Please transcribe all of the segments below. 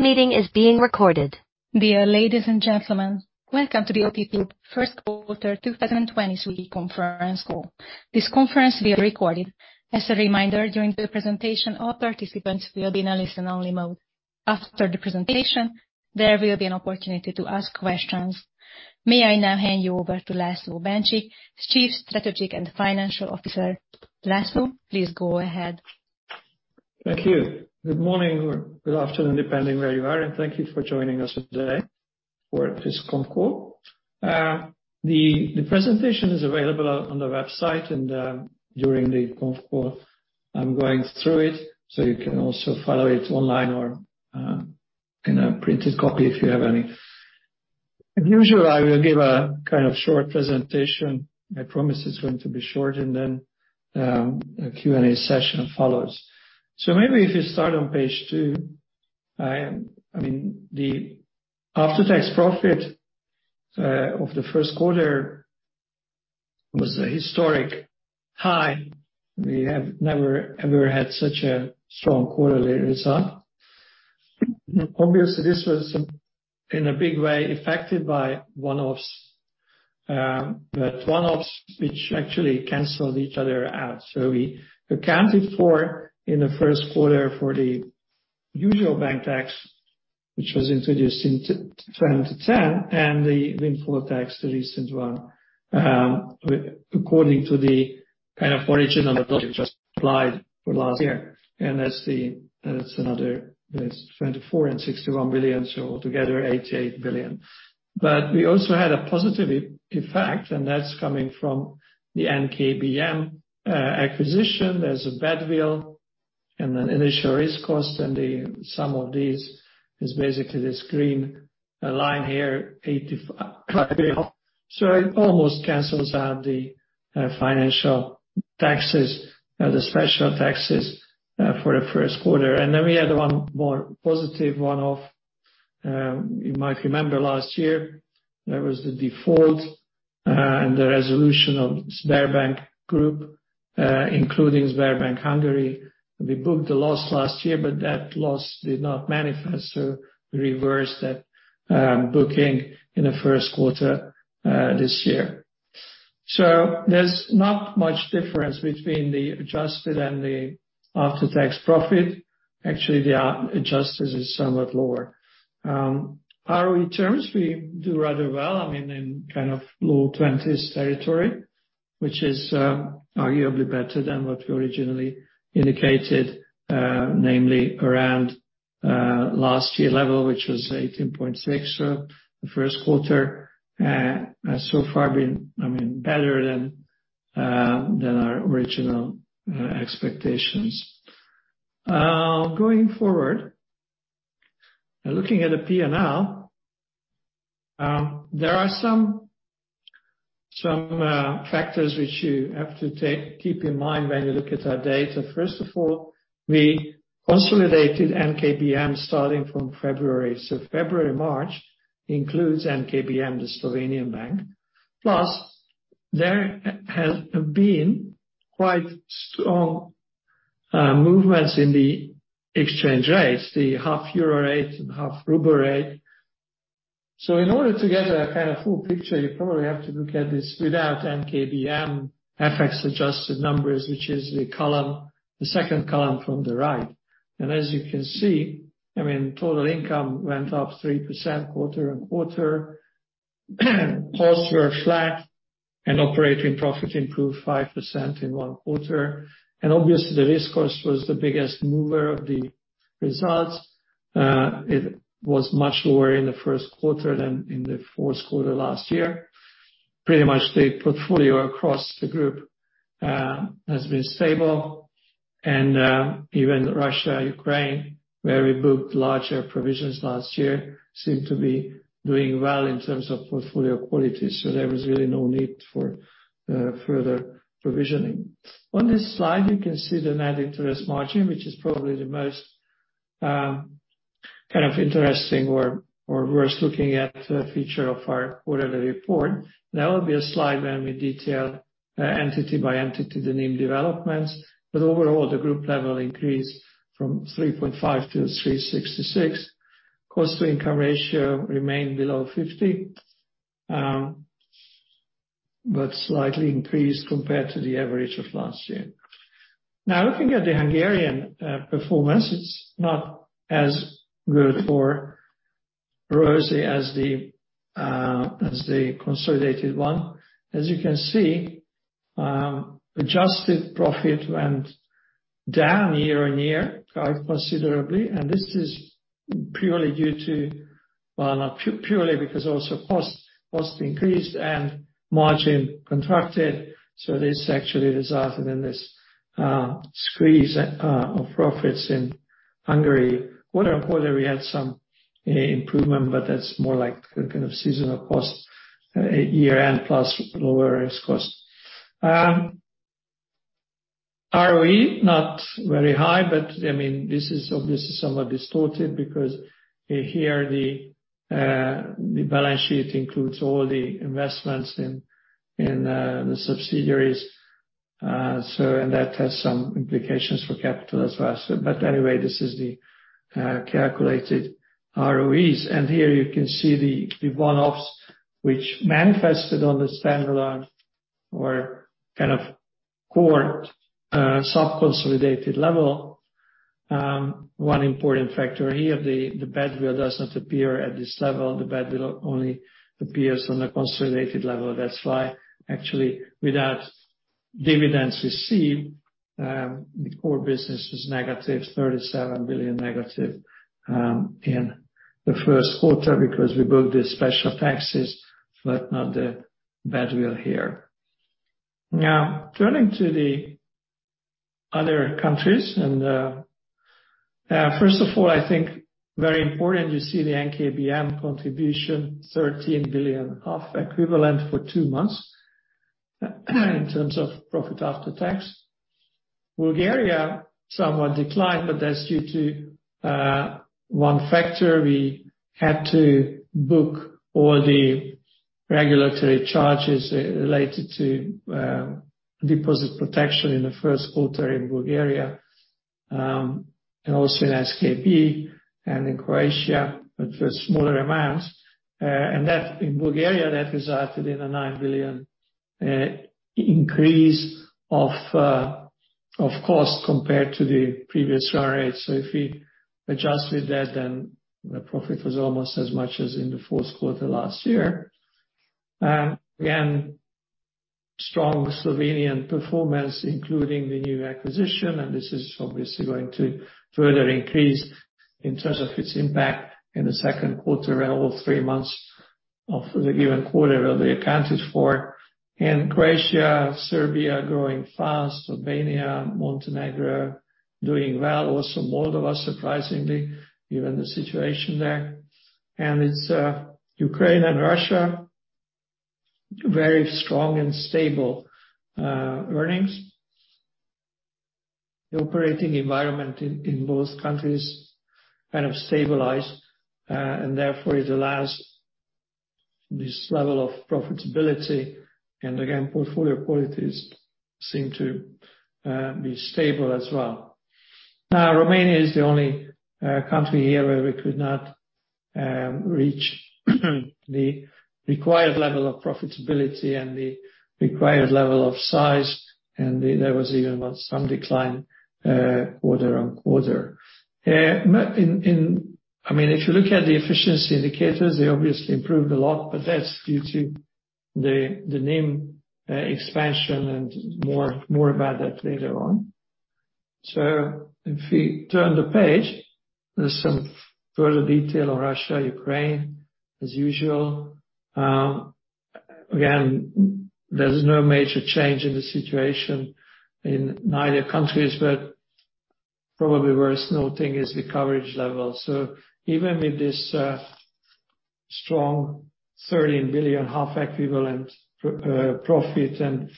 This meeting is being recorded. Dear ladies and gentlemen, welcome to the OTP first quarter 2023 conference call. This conference will be recorded. As a reminder, during the presentation, all participants will be in a listen-only mode. After the presentation, there will be an opportunity to ask questions. May I now hand you over to László Bencsik, Chief Financial and Strategic Officer. László, please go ahead. Thank you. Good morning or good afternoon, depending where you are, thank you for joining us today for this conf call. The presentation is available on the website and during the conf call, I'm going through it, so you can also follow it online or in a printed copy if you have any. As usual, I will give a kind of short presentation. I promise it's going to be short then a Q&A session follows. Maybe if you start on page two. I mean, the after-tax profit of the first quarter was a historic high. We have never, ever had such a strong quarterly result. Obviously, this was in a big way affected by one-offs. We had one-offs which actually canceled each other out. We accounted for in the first quarter for the usual bank tax, which was introduced in 2010, and the windfall tax, the recent one, according to the kind of original methodology just applied for last year. That's 24 billion and 61 billion, so altogether 88 billion. We also had a positive effect, and that's coming from the NKBM acquisition. There's a badwill and an initial risk cost, and the sum of these is basically this green line here, 85 billion. It almost cancels out the financial taxes, the special taxes, for the first quarter. We had one more positive one-off. You might remember last year, there was the default and the resolution of Sberbank Group, including Sberbank Hungary. We booked the loss last year, but that loss did not manifest, so we reversed that booking in the first quarter this year. There's not much difference between the adjusted and the after-tax profit. Actually, the adjusted is somewhat lower. ROE terms, we do rather well, I mean, in kind of low 20s territory, which is arguably better than what we originally indicated, namely around last year level, which was 18.6%. The first quarter has so far been, I mean, better than our original expectations. Going forward, looking at the P&L, there are some factors which you have to keep in mind when you look at our data. First of all, we consolidated NKBM starting from February. February, March includes NKBM, the Slovenian bank. There has been quite strong movements in the exchange rates, the HUF-EUR rate and HUF-RUB rate. In order to get a kind of full picture, you probably have to look at this without NKBM FX adjusted numbers, which is the column, the second column from the right. As you can see, I mean, total income went up 3% quarter-on-quarter. Costs were flat and operating profit improved 5% in one quarter. Obviously, the risk cost was the biggest mover of the results. It was much lower in the first quarter than in the fourth quarter last year. Pretty much the portfolio across the group has been stable and even Russia, Ukraine, where we booked larger provisions last year, seem to be doing well in terms of portfolio quality. There was really no need for further provisioning. On this slide, you can see the net interest margin, which is probably the most kind of interesting or worth looking at feature of our quarterly report. There will be a slide where we detail entity by entity the NIM developments, but overall, the group level increased from 3.5% to 3.66%. Cost-to-income ratio remained below 50%, but slightly increased compared to the average of last year. Looking at the Hungarian performance, it's not as good for Rosie as the consolidated one. As you can see, adjusted profit went down year-on-year quite considerably. This is purely due to not purely because also cost increased and margin contracted. This actually resulted in this squeeze of profits in Hungary. Quarter-on-quarter, we had some improvement, but that's more like kind of seasonal cost year-end plus lower risk cost. ROE, not very high, but, I mean, this is obviously somewhat distorted because here the balance sheet includes all the investments in the subsidiaries. That has some implications for capital as well. Anyway, this is the calculated ROEs. Here you can see the one-offs which manifested on the standalone or kind of core sub-consolidated level. One important factor here, the bad will does not appear at this level. The bad will only appears on the consolidated level. That's why actually without dividends received, the core business was negative, 37 billion negative in the first quarter because we booked the special taxes, but not the bad will here. Turning to the other countries and, first of all, I think very important you see the NKBM contribution, 13 billion HUF equivalent for two months, in terms of profit after tax. Bulgaria somewhat declined, that's due to one factor. We had to book all the regulatory charges related to deposit protection in the first quarter in Bulgaria, and also in SKB and in Croatia, but for smaller amounts. That in Bulgaria, that resulted in a 9 billion increase of cost compared to the previous run rate. If we adjusted that, the profit was almost as much as in the fourth quarter last year. Again, strong Slovenian performance, including the new acquisition, This is obviously going to further increase in terms of its impact in the second quarter, around all three months of the given quarter will be accounted for. In Croatia, Serbia growing fast, Slovenia, Montenegro doing well, also Moldova, surprisingly, given the situation there. It's Ukraine and Russia, very strong and stable earnings. The operating environment in both countries kind of stabilized, and therefore it allows this level of profitability. Again, portfolio qualities seem to be stable as well. Now, Romania is the only country here where we could not reach the required level of profitability and the required level of size. There was even some decline quarter-on-quarter. I mean, if you look at the efficiency indicators, they obviously improved a lot, but that's due to the NIM expansion and more, more about that later on. If we turn the page, there's some further detail on Russia, Ukraine as usual. Again, there's no major change in the situation in neither countries, but probably worth noting is the coverage level. Even with this strong 13 billion HUF equivalent profit and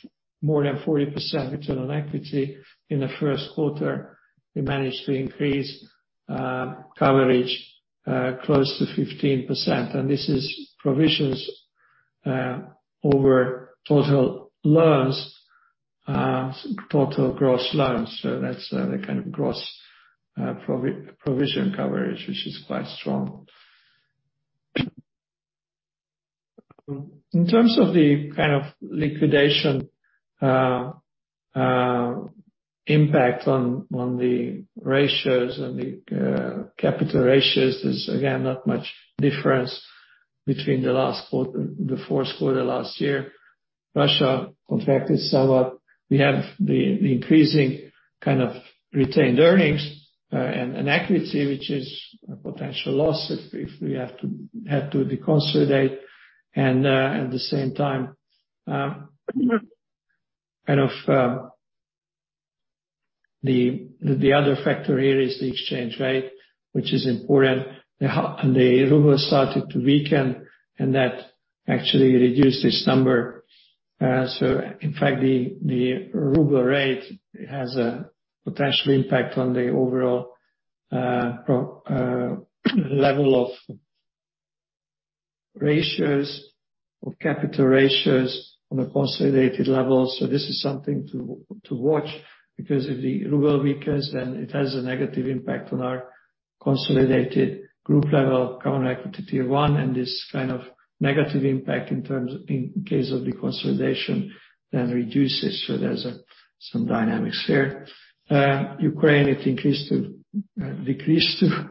more than 40% return on equity in the first quarter, we managed to increase coverage close to 15%. This is provisions over total loans, total gross loans. That's the kind of gross provision coverage, which is quite strong. In terms of the kind of liquidation impact on the ratios and the capital ratios, there's again, not much difference between the fourth quarter last year. Russia contracted somewhat. We have the increasing kind of retained earnings and accuracy, which is a potential loss if we have to deconsolidate. At the same time, kind of, the other factor here is the exchange rate, which is important. The ruble started to weaken, and that actually reduced this number. In fact, the ruble rate has a potential impact on the overall pro level of ratios or capital ratios on a consolidated level. This is something to watch because if the ruble weakens, then it has a negative impact on our consolidated group level Common Equity Tier 1 and this kind of negative impact in terms of, in case of the consolidation then reduces. There's some dynamics there. Ukraine, it increased to decreased to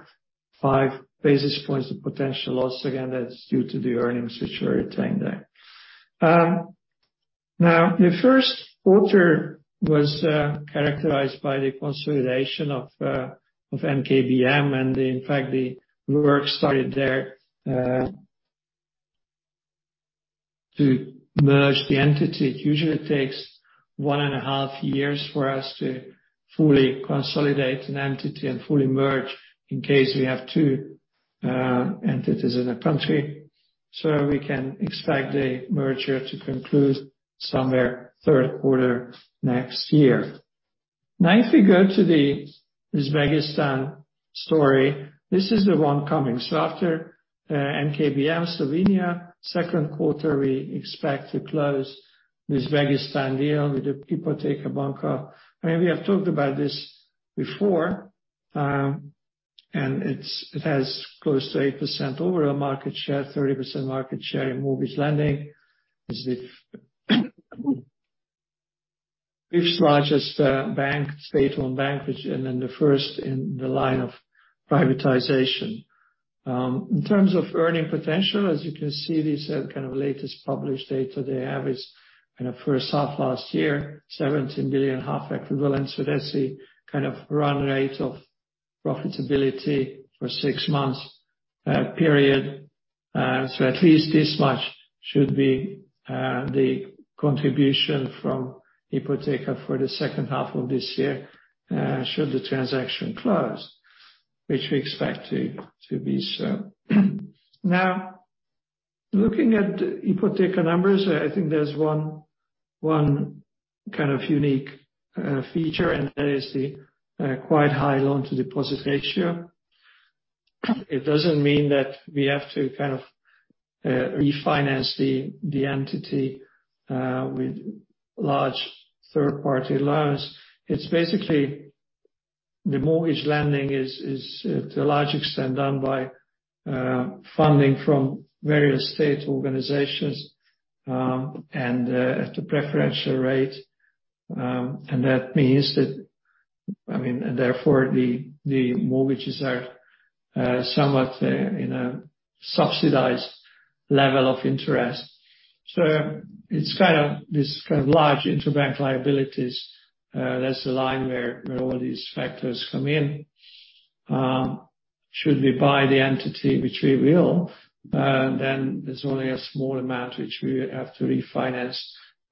five basis points of potential loss. Again, that's due to the earnings which are retained there. Now the first quarter was characterized by the consolidation of NKBM. In fact, the work started there to merge the entity. It usually takes one and a half years for us to fully consolidate an entity and fully merge in case we have two entities in a country. We can expect the merger to conclude somewhere third quarter next year. If we go to the Uzbekistan story, this is the one coming. After NKBM Slovenia second quarter, we expect to close Uzbekistan deal with the Ipoteka-bank. I mean, we have talked about this before, and it's, it has close to 8% overall market share, 30% market share in mortgage lending. Is the 5th largest bank, state-owned bank, the first in the line of privatization. In terms of earning potential, as you can see, these are kind of latest published data. The average in the first half last year, 17 billion equivalent. That's the kind of run rate of profitability for six months period. At least this much should be the contribution from Ipoteka Bank for the second half of this year, should the transaction close, which we expect to be so. Looking at Ipoteka Bank numbers, I think there's one kind of unique feature, and that is the quite high loan-to-deposit ratio. It doesn't mean that we have to kind of refinance the entity with large third-party loans. It's basically the mortgage lending is to a large extent done by funding from various state organizations, and at a preferential rate. That means that, I mean, and therefore, the mortgages are somewhat in a subsidized level of interest. It's kind of this kind of large interbank liabilities. That's the line where all these factors come in. Should we buy the entity, which we will, there's only a small amount which we have to refinance,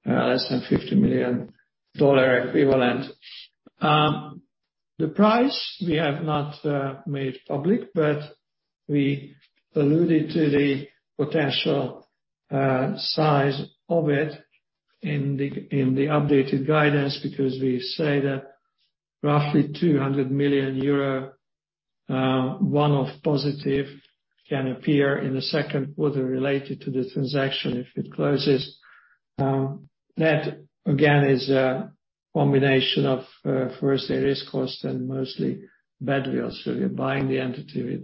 less than $50 million equivalent. The price we have not made public, but we alluded to the potential size of it in the updated guidance, because we say that roughly 200 million euro one of positive can appear in the second quarter related to the transaction if it closes. That again is a combination of first year risk cost and mostly badwills. We're buying the entity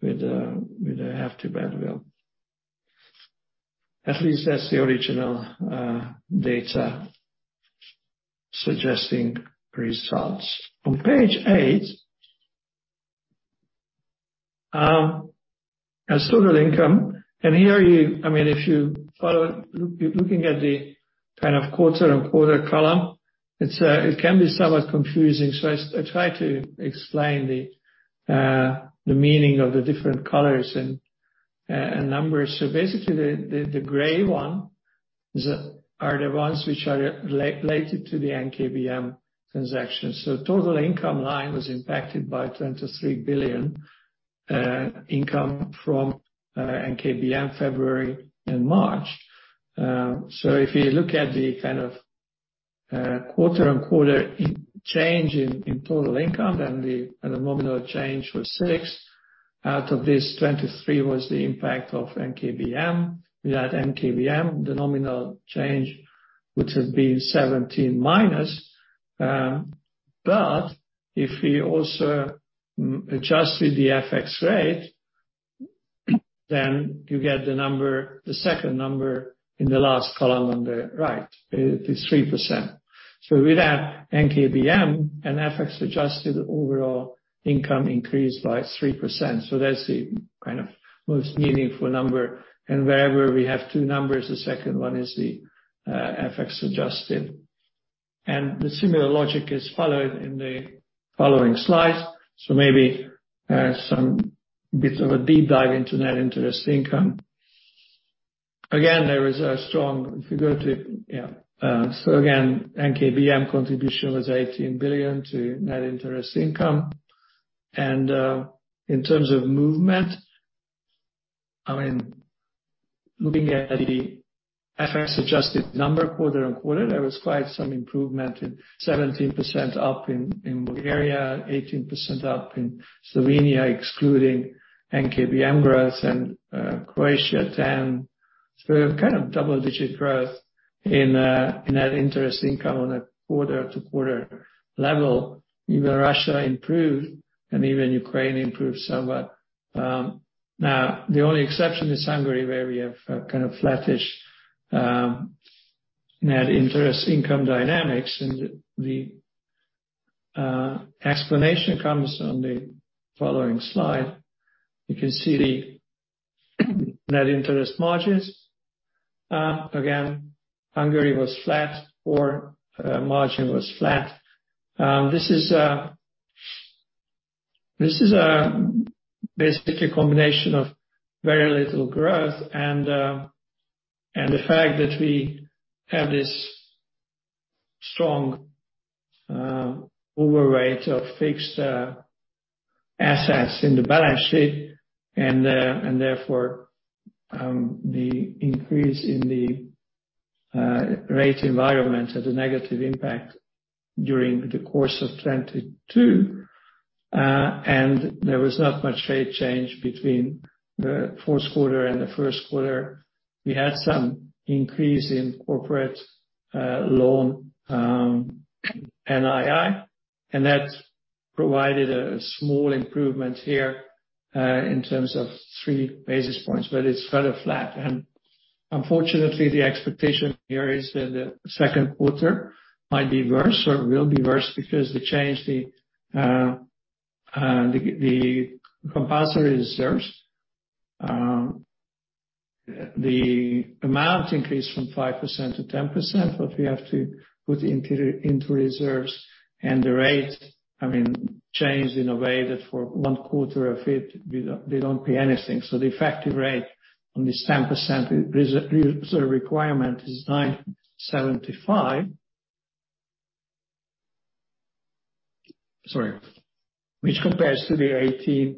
with a hefty badwill. At least that's the original data suggesting results. On page eight, as total income, here I mean, if you follow, looking at the kind of quarter and quarter column, it's it can be somewhat confusing. I try to explain the meaning of the different colors and numbers. Basically, the gray one are the ones which are related to the NKBM transaction. Total income line was impacted by 23 billion income from NKBM, February and March. If you look at the kind of quarter-over-quarter change in total income, then the nominal change was six. Out of this 23 billion was the impact of NKBM. Without NKBM, the nominal change, which has been 17 minus. If we also adjust with the FX rate, then you get the number, the second number in the last column on the right. It is 3%. Without NKBM and FX adjusted, overall income increased by 3%. That's the kind of most meaningful number. Wherever we have two numbers, the second one is the FX adjusted. The similar logic is followed in the following slides. Maybe some bits of a deep dive into net interest income. NKBM contribution was 18 billion to net interest income. In terms of movement, I mean, looking at the FX adjusted number quarter-on-quarter, there was quite some improvement in 17% up in Bulgaria, 18% up in Slovenia, excluding NKBM growth and Croatia at 10%. Kind of double-digit growth in net interest income on a quarter-to-quarter level. Even Russia improved and even Ukraine improved somewhat. Now the only exception is Hungary, where we have a kind of flattish net interest income dynamics. The explanation comes on the following slide. You can see the net interest margins. Again, Hungary was flat or margin was flat. This is basically a combination of very little growth and the fact that we have this strong overweight of fixed interest-Assets in the balance sheet and therefore, the increase in the rate environment has a negative impact during the course of 2022. There was not much rate change between the fourth quarter and the first quarter. We had some increase in corporate loan NII, and that provided a small improvement here in terms of three basis points, but it's rather flat. Unfortunately, the expectation here is that the second quarter might be worse or will be worse because the change the compulsory reserves, the amount increased from 5% to 10%, what we have to put into reserves. The rate, I mean, changed in a way that for one quarter of it, we don't pay anything. The effective rate on this 10% requirement is 9.75%. Sorry. Which compares to the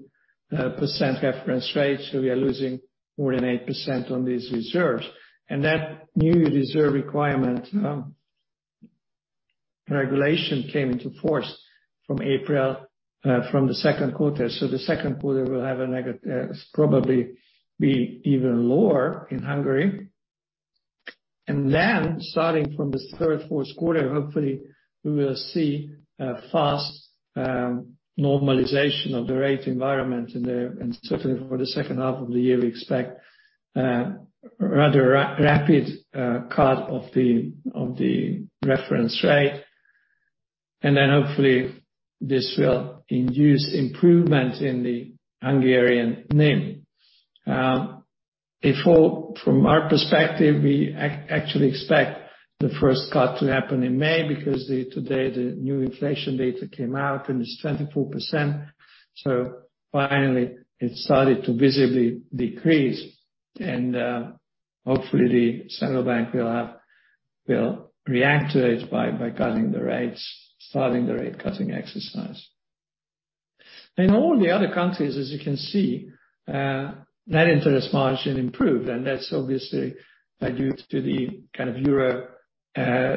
18% reference rate. We are losing more than 8% on these reserves. That new reserve requirement regulation came into force from April from the second quarter. The second quarter will probably be even lower in Hungary. Starting from this third, fourth quarter, hopefully we will see a fast normalization of the rate environment in the and certainly for the second half of the year, we expect rather rapid cut of the reference rate, and then hopefully this will induce improvement in the Hungarian NIM. From our perspective, we actually expect the first cut to happen in May because today the new inflation data came out and it's 24%. Finally, it started to visibly decrease, and hopefully the central bank will react to it by cutting the rates, starting the rate cutting exercise. In all the other countries, as you can see, net interest margin improved, and that's obviously due to the kind of euro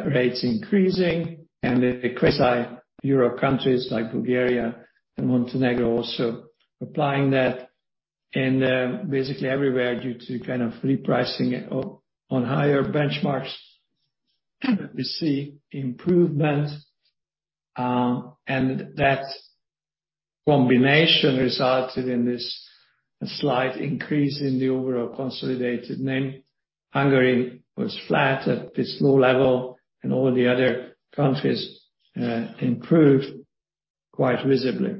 rates increasing and the quasi-euro countries like Bulgaria and Montenegro also applying that. Basically everywhere due to kind of repricing it on higher benchmarks, we see improvement. That combination resulted in this slight increase in the overall consolidated NIM. Hungary was flat at this low level, and all the other countries improved quite visibly.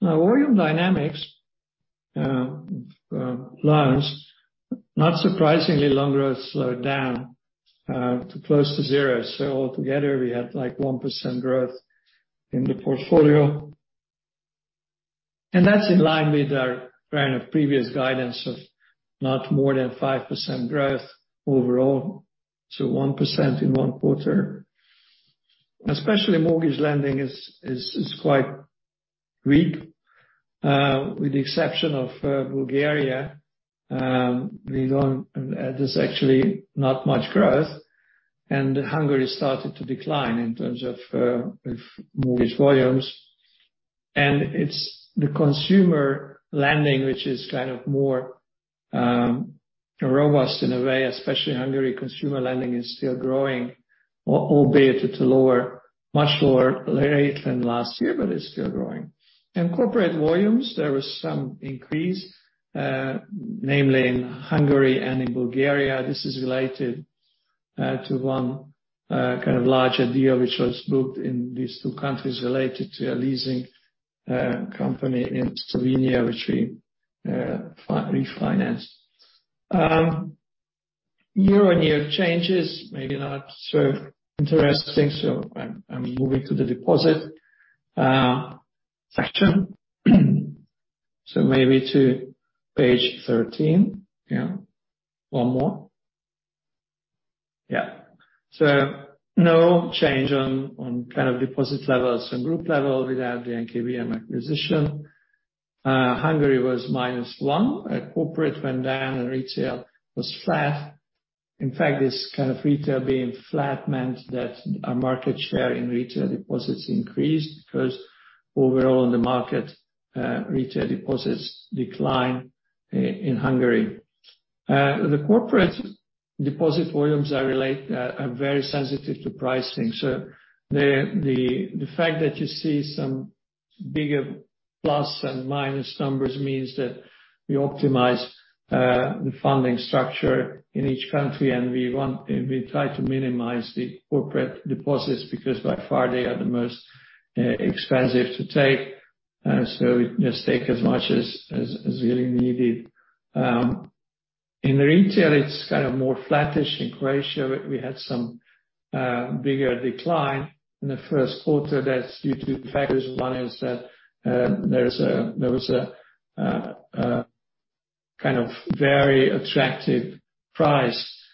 Volume dynamics, loans. Not surprisingly, loan growth slowed down to close to zero. Altogether, we had like 1% growth in the portfolio. That's in line with our kind of previous guidance of not more than 5% growth overall, so 1% in 1 quarter. Especially mortgage lending is quite weak. With the exception of Bulgaria, there's actually not much growth, Hungary started to decline in terms of with mortgage volumes. It's the consumer lending which is kind of more robust in a way, especially Hungary consumer lending is still growing, albeit at a lower, much lower rate than last year, but it's still growing. In corporate volumes, there was some increase, namely in Hungary and in Bulgaria. This is related to one kind of larger deal which was booked in these two countries related to a leasing company in Slovenia, which we refinanced. Year-on-year changes, maybe not so interesting, I'm moving to the deposit section. Maybe to page 13. Yeah. One more. Yeah. No change on kind of deposit levels and group level without the NKBM acquisition. Hungary was -one. corporate went down and retail was flat. In fact, this kind of retail being flat meant that our market share in retail deposits increased because overall in the market, retail deposits declined in Hungary. The corporate deposit volumes are very sensitive to pricing. The fact that you see some bigger plus and minus numbers means that we optimize the funding structure in each country, and we try to minimize the corporate deposits, because by far, they are the most expensive to take. We just take as much as really needed. In retail, it's kind of more flattish. In Croatia, we had some bigger decline in the first quarter that's due to factors. One is that there's a, there was a Kind of very attractive price.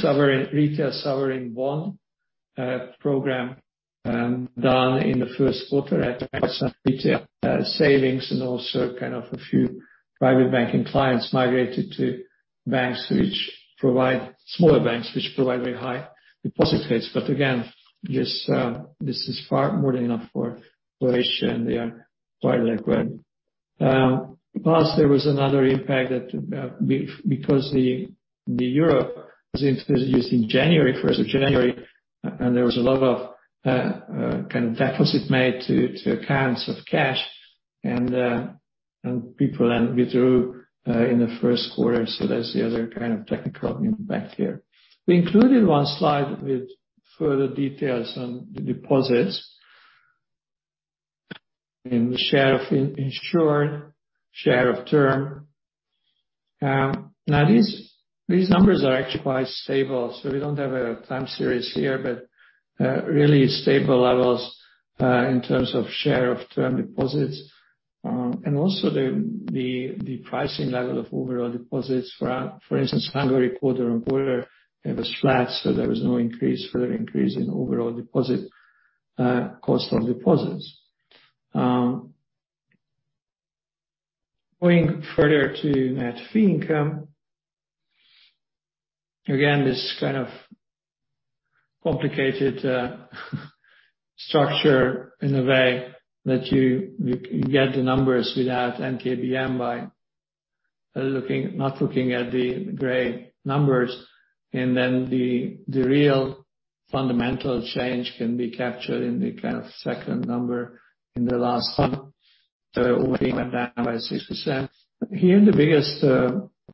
Sovereign, retail sovereign one program, done in the first quarter at some retail savings and also kind of a few private banking clients migrated to smaller banks, which provide very high deposit rates. Again, this is far more than enough for Croatia, and they are quite liquid. Plus there was another impact that because the euro was introduced in January, first of January, and there was a lot of kind of deposits made to accounts of cash and people then withdrew in the first quarter. That's the other kind of technical impact here. We included one slide with further details on the deposits. In the share of insured, share of term. Now these numbers are actually quite stable, we don't have a time series here, really stable levels in terms of share of term deposits. And also the pricing level of overall deposits for instance, Hungary quarter-on-quarter, it was flat, there was no increase, further increase in overall deposit cost of deposits. Going further to net fee income. Again, this kind of complicated structure in a way that you can get the numbers without NKBM by not looking at the gray numbers, then the real fundamental change can be captured in the kind of second number in the last one. Overall went down by 6%. Here, the biggest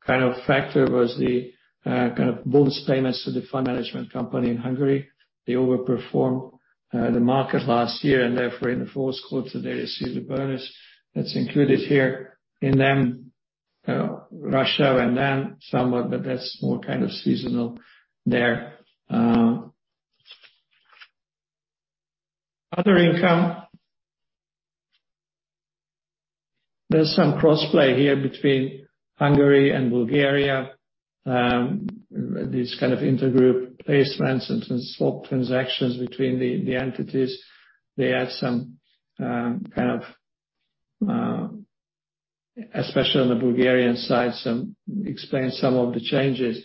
kind of factor was the kind of bonus payments to the fund management company in Hungary. They overperformed the market last year and therefore in the 1st quarter, they received a bonus that's included here. In them, Russia went down somewhat, but that's more kind of seasonal there. Other income. There's some cross play here between Hungary and Bulgaria. These kind of intergroup placements and some swap transactions between the entities. They had some, especially on the Bulgarian side, explain some of the changes.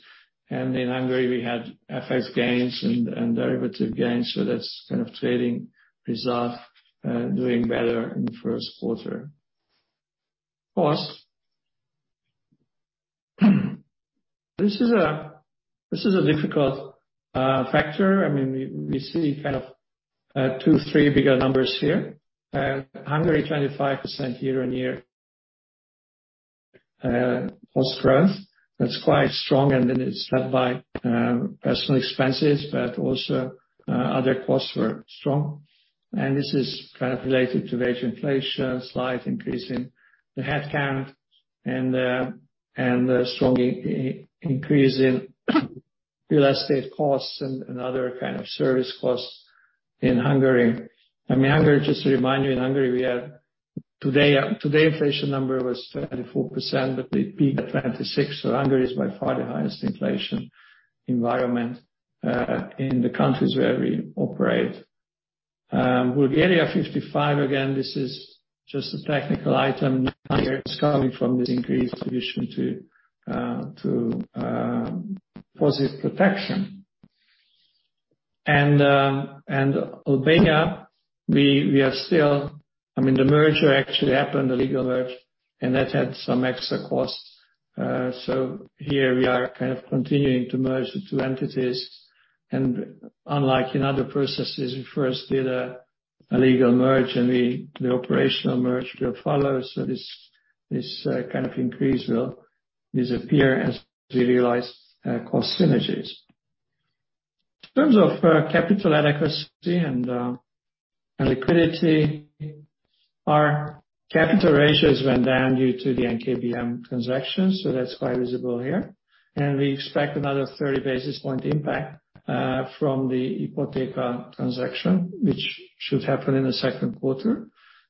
In Hungary, we had FX gains and derivative gains. That's kind of trading results doing better in the 1st quarter. Costs. This is a difficult factor. I mean, we see kind of two, three bigger numbers here. Hungary, 25% year-on-year cost growth. That's quite strong, it's led by personal expenses, other costs were strong. This is kind of related to wage inflation, slight increase in the headcount and a strong increase in real estate costs and other kind of service costs in Hungary. I mean Hungary, just to remind you, in Hungary, we have today inflation number was 24%, but the peak at 26%. Hungary is by far the highest inflation environment in the countries where we operate. Bulgaria 55%. Again, this is just a technical item. It's coming from this increased provision to deposit protection. Albania, we are still... I mean, the merger actually happened, the legal merge, and that had some extra costs. Here we are kind of continuing to merge the two entities. Unlike in other processes, we first did a legal merge, the operational merge will follow. This kind of increase will disappear as we realize cost synergies. In terms of capital adequacy and liquidity, our capital ratios went down due to the NKBM transaction, so that's quite visible here. We expect another 30 basis point impact from the Ipoteka transaction, which should happen in the second quarter.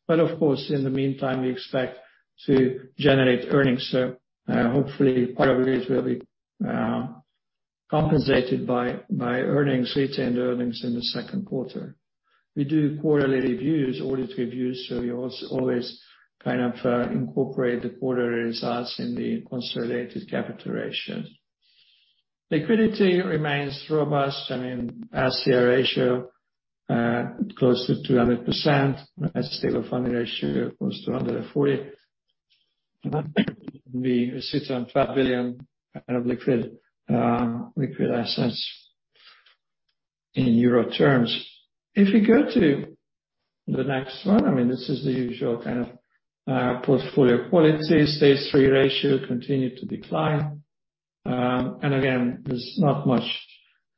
Of course, in the meantime, we expect to generate earnings. Hopefully part of this will be compensated by earnings, retained earnings in the second quarter. We do quarterly reviews, audit reviews, we always kind of incorporate the quarterly results in the consolidated capital ratio. Liquidity remains robust. I mean, LCR ratio close to 200%. Stable funding ratio close to 140%. We sit on 5 billion kind of liquid assets in Euro terms. If you go to the next one, this is the usual kind of portfolio quality. Stage 3 ratio continued to decline. Again, there's not much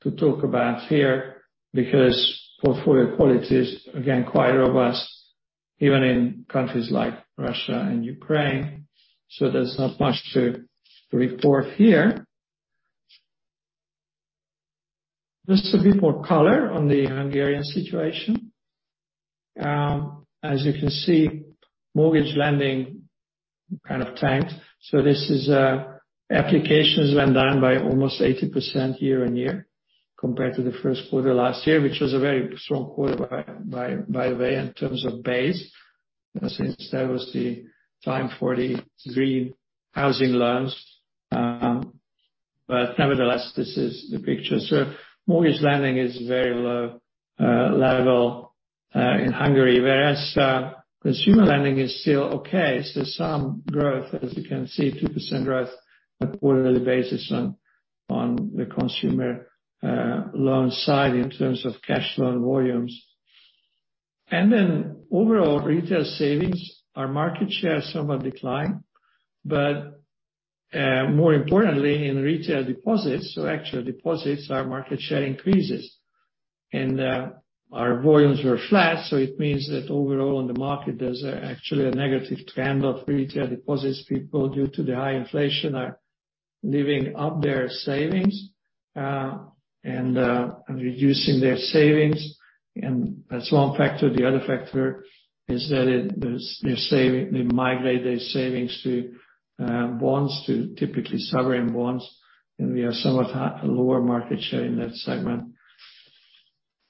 to talk about here because portfolio quality is again, quite robust, even in countries like Russia and Ukraine. There's not much to report here. Just a bit more color on the Hungarian situation. As you can see, mortgage lending kind of tanked. Applications went down by almost 80% year-over-year compared to the first quarter last year, which was a very strong quarter by the way, in terms of base, since that was the time for the green home loans. Nevertheless, this is the picture. Mortgage lending is very low level in Hungary, whereas consumer lending is still okay. Some growth, as you can see, 2% growth on a quarterly basis on the consumer loan side in terms of cash loan volumes. Overall retail savings, our market share somewhat declined, but more importantly in retail deposits, so actual deposits, our market share increases. Our volumes were flat, so it means that overall in the market, there's actually a negative trend of retail deposits. People, due to the high inflation, are living up their savings and reducing their savings. That's one factor. The other factor is that they're saving. They migrate their savings to bonds, to typically sovereign bonds, and we have somewhat lower market share in that segment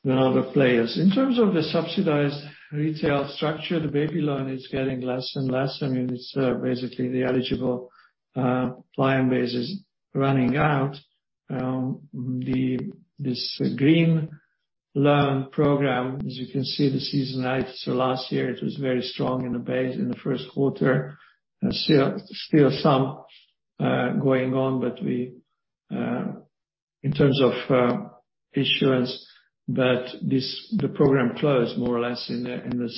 than other players. In terms of the subsidized retail structure, the baby loan is getting less and less. I mean, it's basically the eligible client base is running out. This Green Loan Program, as you can see, this is nice. Last year it was very strong in the base in the first quarter. Still some going on, but we, in terms of issuance, the program closed more or less in the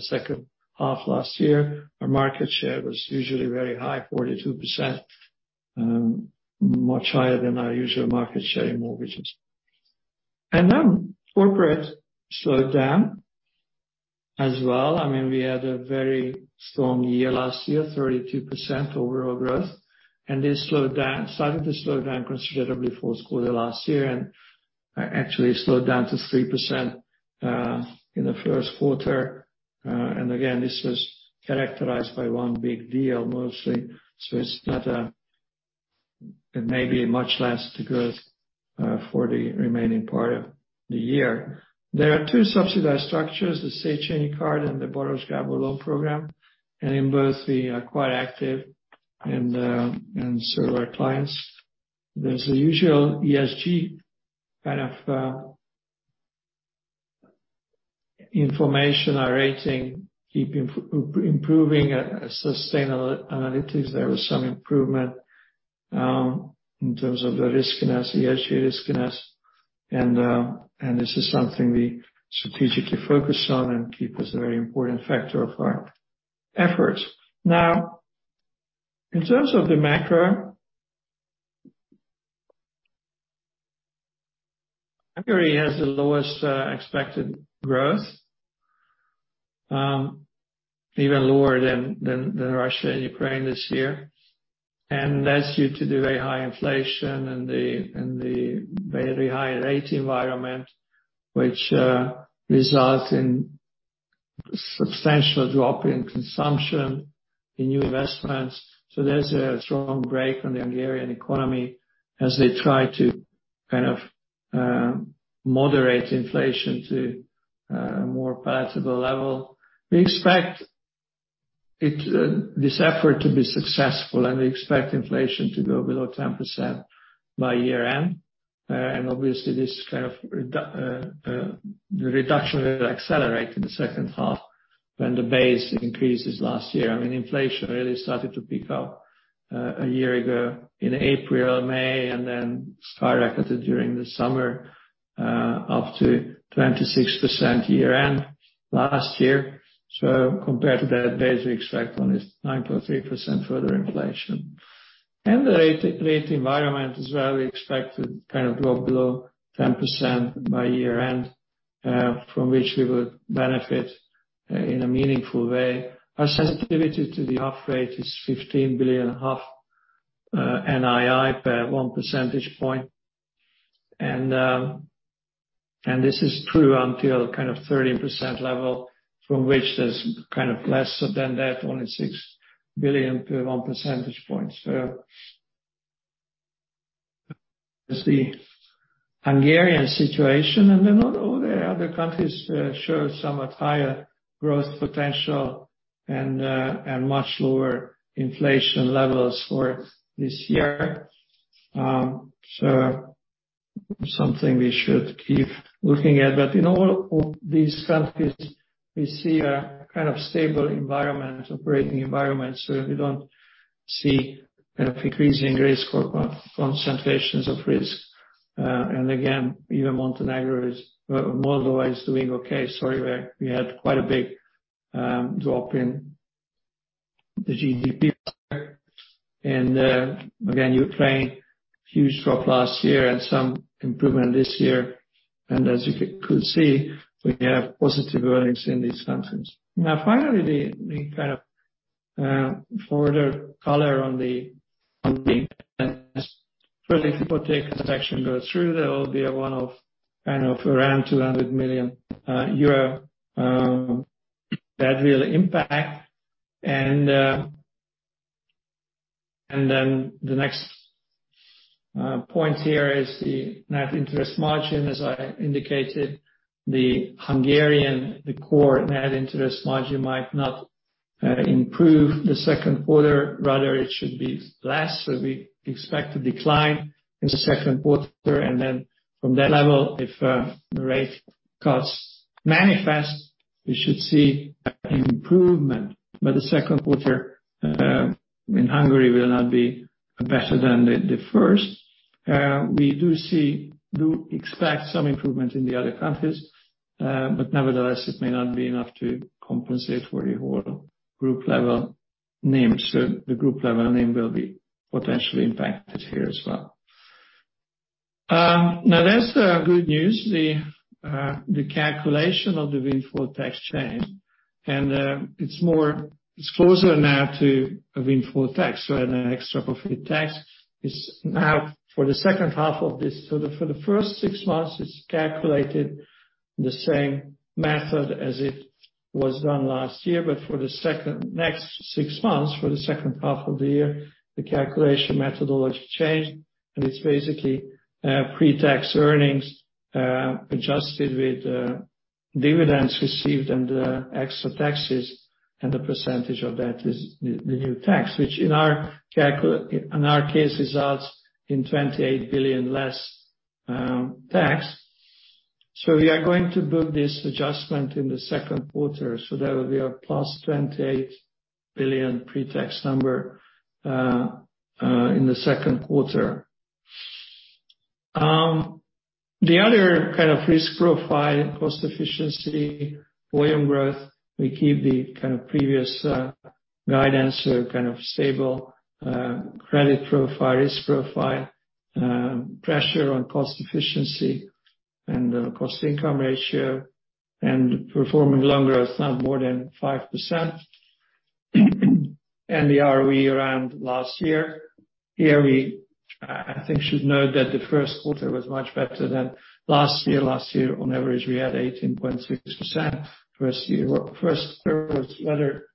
second half last year. Our market share was usually very high, 42%, much higher than our usual market share in mortgages. Corporate slowed down as well. I mean, we had a very strong year last year, 32% overall growth. This slowed down. Started to slow down considerably fourth quarter last year and actually slowed down to 3% in the first quarter. Again, this was characterized by one big deal mostly. It's not. It may be much less the growth for the remaining part of the year. There are two subsidized structures, the Széchenyi Kártya and the Baross Gábor loan program. In both we are quite active and serve our clients. There's the usual ESG kind of information or rating keep improving. Sustainalytics, there was some improvement in terms of the riskiness, ESG riskiness. This is something we strategically focus on and keep as a very important factor of our efforts. In terms of the macro, Hungary has the lowest expected growth, even lower than Russia and Ukraine this year. That's due to the very high inflation and the very high rate environment, which results in substantial drop in consumption, in new investments. There's a strong break on the Hungarian economy as they try to kind of moderate inflation to a more palatable level. We expect this effort to be successful, and we expect inflation to go below 10% by year-end. Obviously this kind of reduction will accelerate in the second half when the base increases last year. I mean, inflation really started to pick up a year ago in April, May, and then skyrocketed during the summer up to 26% year-end last year. Compared to that base, we expect only 9.3% further inflation. The rate environment as well, we expect to drop below 10% by year-end, from which we will benefit in a meaningful way. Our sensitivity to the HUF rate is 15 billion NII per one percentage point. This is true until 13% level from which there's lesser than that, only 6 billion per one percentage point. That's the Hungarian situation. All the other countries show somewhat higher growth potential and much lower inflation levels for this year. Something we should keep looking at. In all of these countries, we see a stable environment, operating environment. We don't see increasing risk or concentrations of risk. Again, even Moldova is doing okay. Sorry, we had quite a big drop in the GDP. Again, Ukraine, huge drop last year and some improvement this year. As you could see, we have positive earnings in these countries. Now finally, for the color on the tax section go through, there will be a one-off, around EUR 200 million badwill impact. The next point here is the Net Interest Margin. As I indicated, the Hungarian core Net Interest Margin might not improve the second quarter, rather it should be less. We expect a decline in the second quarter. From that level, if the rate cuts manifest, we should see an improvement. The second quarter in Hungary will not be better than the first. We do expect some improvements in the other countries, nevertheless, it may not be enough to compensate for the whole group level NIM. The group level NIM will be potentially impacted here as well. Now that's the good news. The calculation of the Windfall Tax change, it's closer now to a Windfall Tax rather than Extra Profit Tax. It's now for the second half of this. For the first six months, it's calculated the same method as it was done last year. For the next six months, for the second half of the year, the calculation methodology changed. It's basically pre-tax earnings, adjusted with dividends received and the extra taxes, and the percentage of that is the new tax. Which in our case, results in 28 billion less tax. We are going to book this adjustment in the second quarter, that will be a +28 billion pre-tax number in the second quarter. The other kind of risk profile, cost efficiency, volume growth, we keep the kind of previous guidance or kind of stable credit profile, risk profile. Pressure on cost efficiency and the cost-to-income ratio and performing loan growth some more than 5%. The ROE around last year. Here we I think should note that the first quarter was much better than last year. Last year on average we had 18.6%. First quarter was rather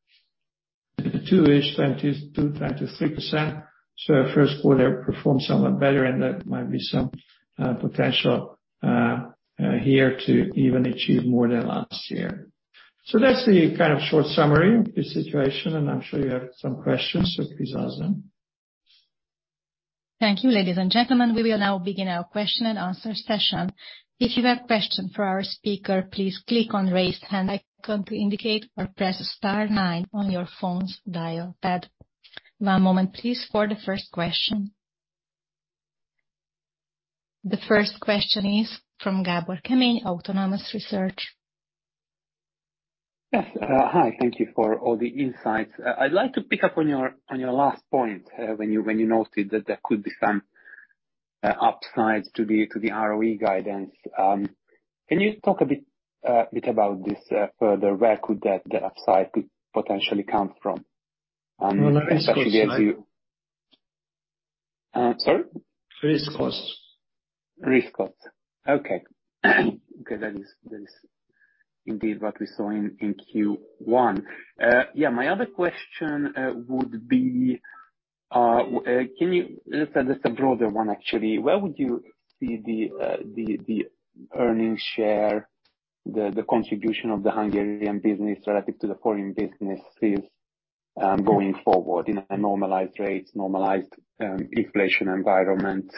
to the tune of 22%-23%. Our first quarter performed somewhat better and there might be some potential here to even achieve more than last year. That's the kind of short summary of the situation, and I'm sure you have some questions, so please ask them. Thank you. Ladies and gentlemen, we will now begin our question and answer session. If you have question for our speaker, please click on Raise Hand icon to indicate or press star nine on your phone's dial pad. One moment please for the first question. The first question is from Gábor Kemény, Autonomous Research. Yes. Hi. Thank you for all the insights. I'd like to pick up on your last point, when you noted that there could be some upsides to the ROE guidance. Can you talk a bit about this further? Where could the upside could potentially come from? Risk costs. Sorry? Risk costs. Risk costs. Okay. Okay. That is indeed what we saw in Q1. Yeah. My other question would be, can you... It's just a broader one actually. Where would you see the earnings share, the contribution of the Hungarian business relative to the foreign business is going forward in a normalized rates, normalized inflation environment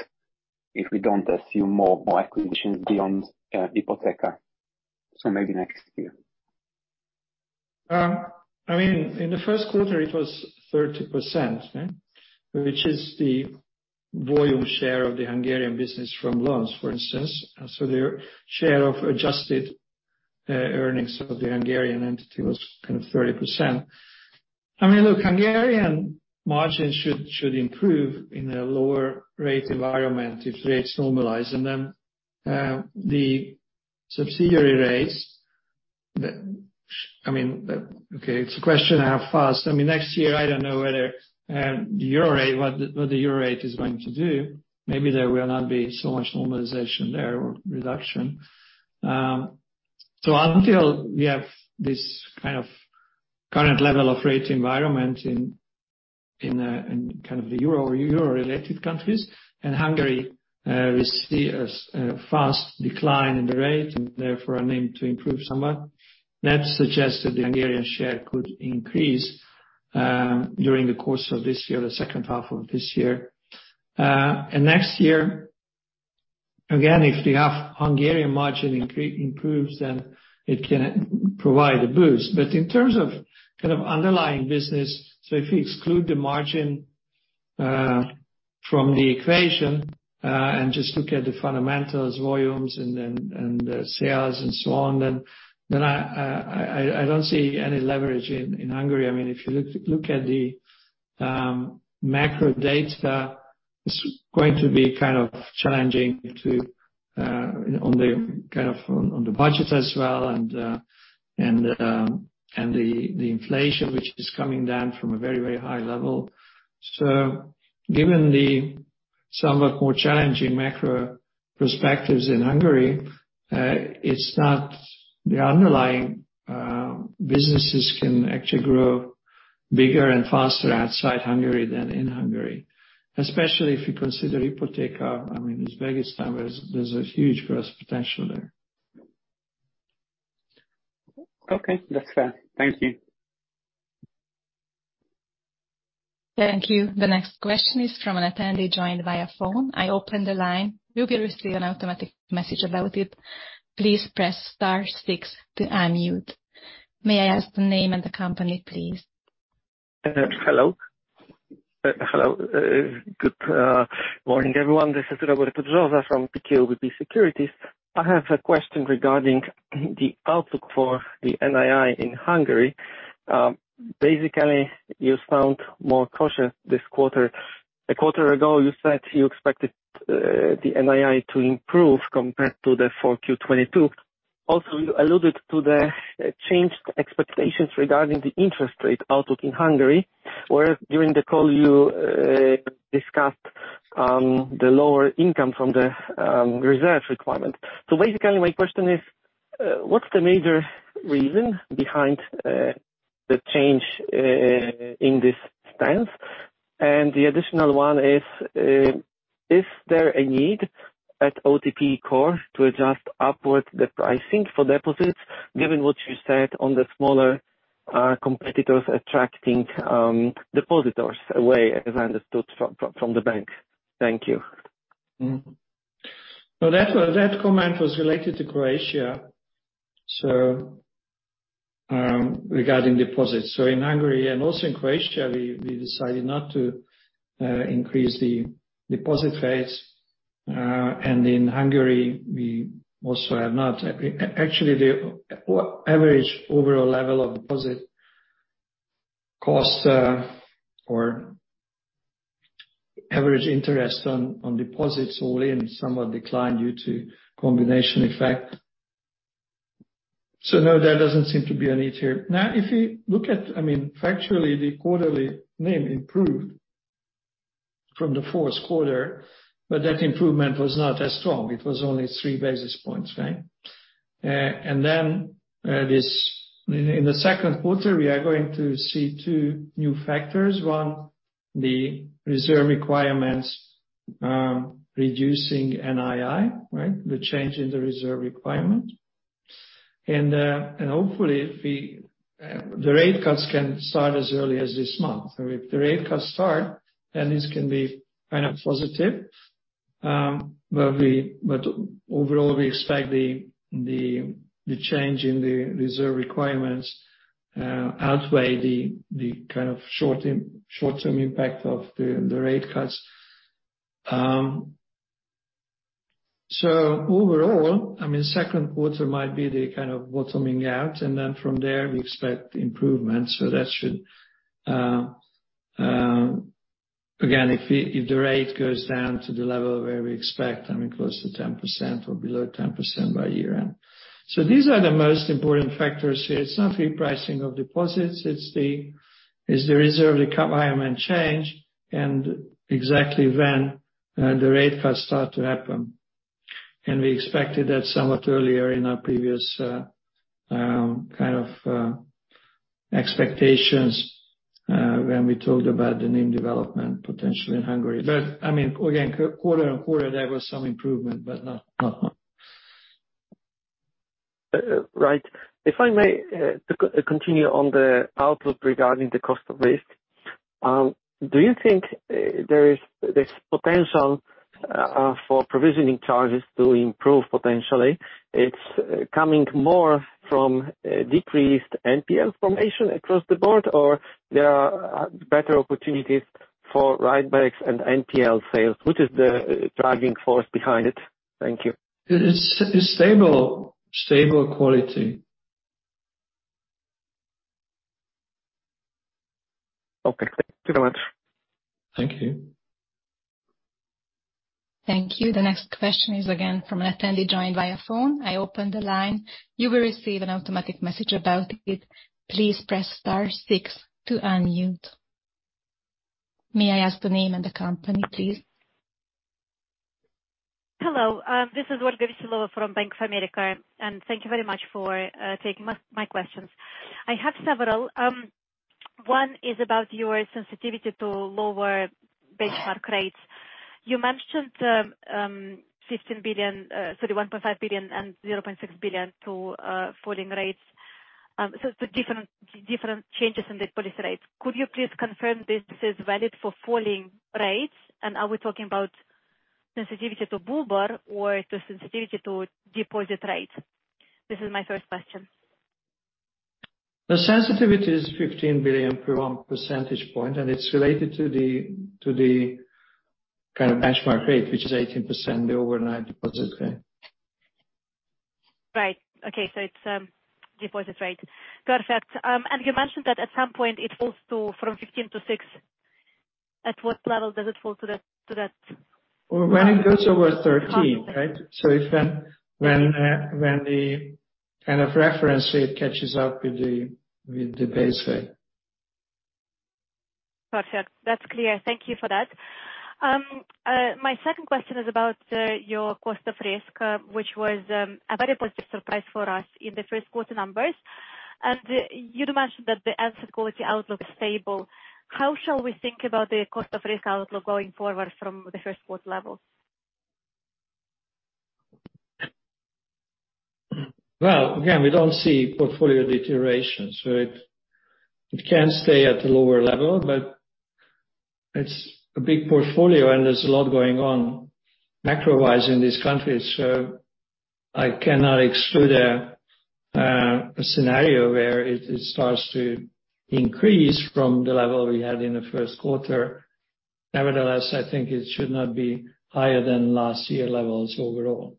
if we don't assume more acquisitions beyond Ipoteka? Maybe next year. I mean, in the first quarter it was 30%, yeah. The volume share of the Hungarian business from loans, for instance. Their share of adjusted earnings of the Hungarian entity was kind of 30%. I mean, look, Hungarian margins should improve in a lower rate environment if rates normalize. The subsidiary rates. I mean, okay, it's a question how fast. I mean, next year, I don't know whether the euro rate, what the euro rate is going to do. Maybe there will not be so much normalization there or reduction. Until we have this kind of current level of rate environment in kind of the euro-related countries and Hungary, we see a fast decline in the rate and therefore a NIM to improve somewhat. That suggests that the Hungarian share could increase during the course of this year, the second half of this year. Next year, again, if the half Hungarian margin improves, then it can provide a boost. In terms of kind of underlying business, so if you exclude the margin from the equation, and just look at the fundamentals, volumes and then, and the sales and so on, then I don't see any leverage in Hungary. I mean, if you look at the macro data. It's going to be kind of challenging to on the budget as well and the inflation which is coming down from a very, very high level. Given the somewhat more challenging macro perspectives in Hungary, it's not... The underlying businesses can actually grow bigger and faster outside Hungary than in Hungary. Especially if you consider Ipoteka. I mean, as big as Tamás, there's a huge growth potential there. Okay. That's fair. Thank you. Thank you. The next question is from an attendee joined via phone. I open the line. You'll be receiving an automatic message about it. Please press star six to unmute. May I ask the name and the company, please? Hello. Good morning, everyone. This is Robert Brzoza from PKO BP Securities. I have a question regarding the outlook for the NII in Hungary. Basically, you sound more cautious this quarter. A quarter ago, you said you expected the NII to improve compared to the 4Q 2022. You alluded to the changed expectations regarding the interest rate outlook in Hungary, where during the call you discussed the lower income from the reserve requirement. Basically, my question is, what's the major reason behind the change in this stance? The additional one is there a need at OTP core to adjust upward the pricing for deposits, given what you said on the smaller competitors attracting depositors away, as I understood from the bank? Thank you. That, that comment was related to Croatia regarding deposits. In Hungary and also in Croatia, we decided not to increase the deposit rates. In Hungary we also have not actually, the average overall level of deposit cost or average interest on deposits all in somewhat declined due to combination effect. No, there doesn't seem to be a need here. I mean, factually, the quarterly NIM improved from the fourth quarter, but that improvement was not as strong. It was only three basis points, right? Then in the second quarter, we are going to see two new factors. One, the reserve requirements reducing NII, right? The change in the reserve requirement. Hopefully if we the rate cuts can start as early as this month. If the rate cuts start, then this can be kind of positive, but overall, we expect the change in the reserve requirements outweigh the short-term impact of the rate cuts. Overall, I mean, second quarter might be the kind of bottoming out, and then from there we expect improvement. That should. Again, if the rate goes down to the level where we expect, I mean, close to 10% or below 10% by year-end. These are the most important factors here. It's not free pricing of deposits, it's the reserve requirement change and exactly when the rate cuts start to happen. We expected that somewhat earlier in our previous, kind of, expectations, when we told about the NIM development potentially in Hungary. I mean, again, quarter-on-quarter there was some improvement, but not much. Right. If I may, to continue on the outlook regarding the cost of risk, do you think there is this potential for provisioning charges to improve potentially? It's coming more from decreased NPL formation across the board or there are better opportunities for write-backs and NPL sales. Which is the driving force behind it? Thank you. It's stable quality. Okay, thank you so much. Thank you. Thank you. The next question is again from an attendee joined via phone. I open the line. You will receive an automatic message about it. Please press star six to unmute. May I ask the name and the company, please? Hello. This is Olga Veselova from Bank of America, thank you very much for taking my questions. I have several. One is about your sensitivity to lower benchmark rates. You mentioned 15 billion, sorry, 1.5 billion and 0.6 billion to falling rates. Different changes in deposit rates. Could you please confirm this is valid for falling rates? Are we talking about sensitivity to BUBOR or the sensitivity to deposit rates? This is my first question. The sensitivity is 15 billion per one percentage point, and it's related to the kind of benchmark rate, which is 18%, the overnight deposit rate. Right. Okay, so it's deposit rate. Perfect. You mentioned that at some point it falls from 15 to six. At what level does it fall to that? When it goes over 13, right? It's when the kind of reference rate catches up with the, with the base rate. Perfect. That's clear. Thank you for that. My second question is about your cost of risk, which was a very positive surprise for us in the first quarter numbers. You'd mentioned that the asset quality outlook is stable. How shall we think about the cost of risk outlook going forward from the first quarter levels? Again, we don't see portfolio deterioration. It can stay at a lower level, but it's a big portfolio and there's a lot going on macro-wise in this country. I cannot exclude a scenario where it starts to increase from the level we had in the first quarter. Nevertheless, I think it should not be higher than last year levels overall.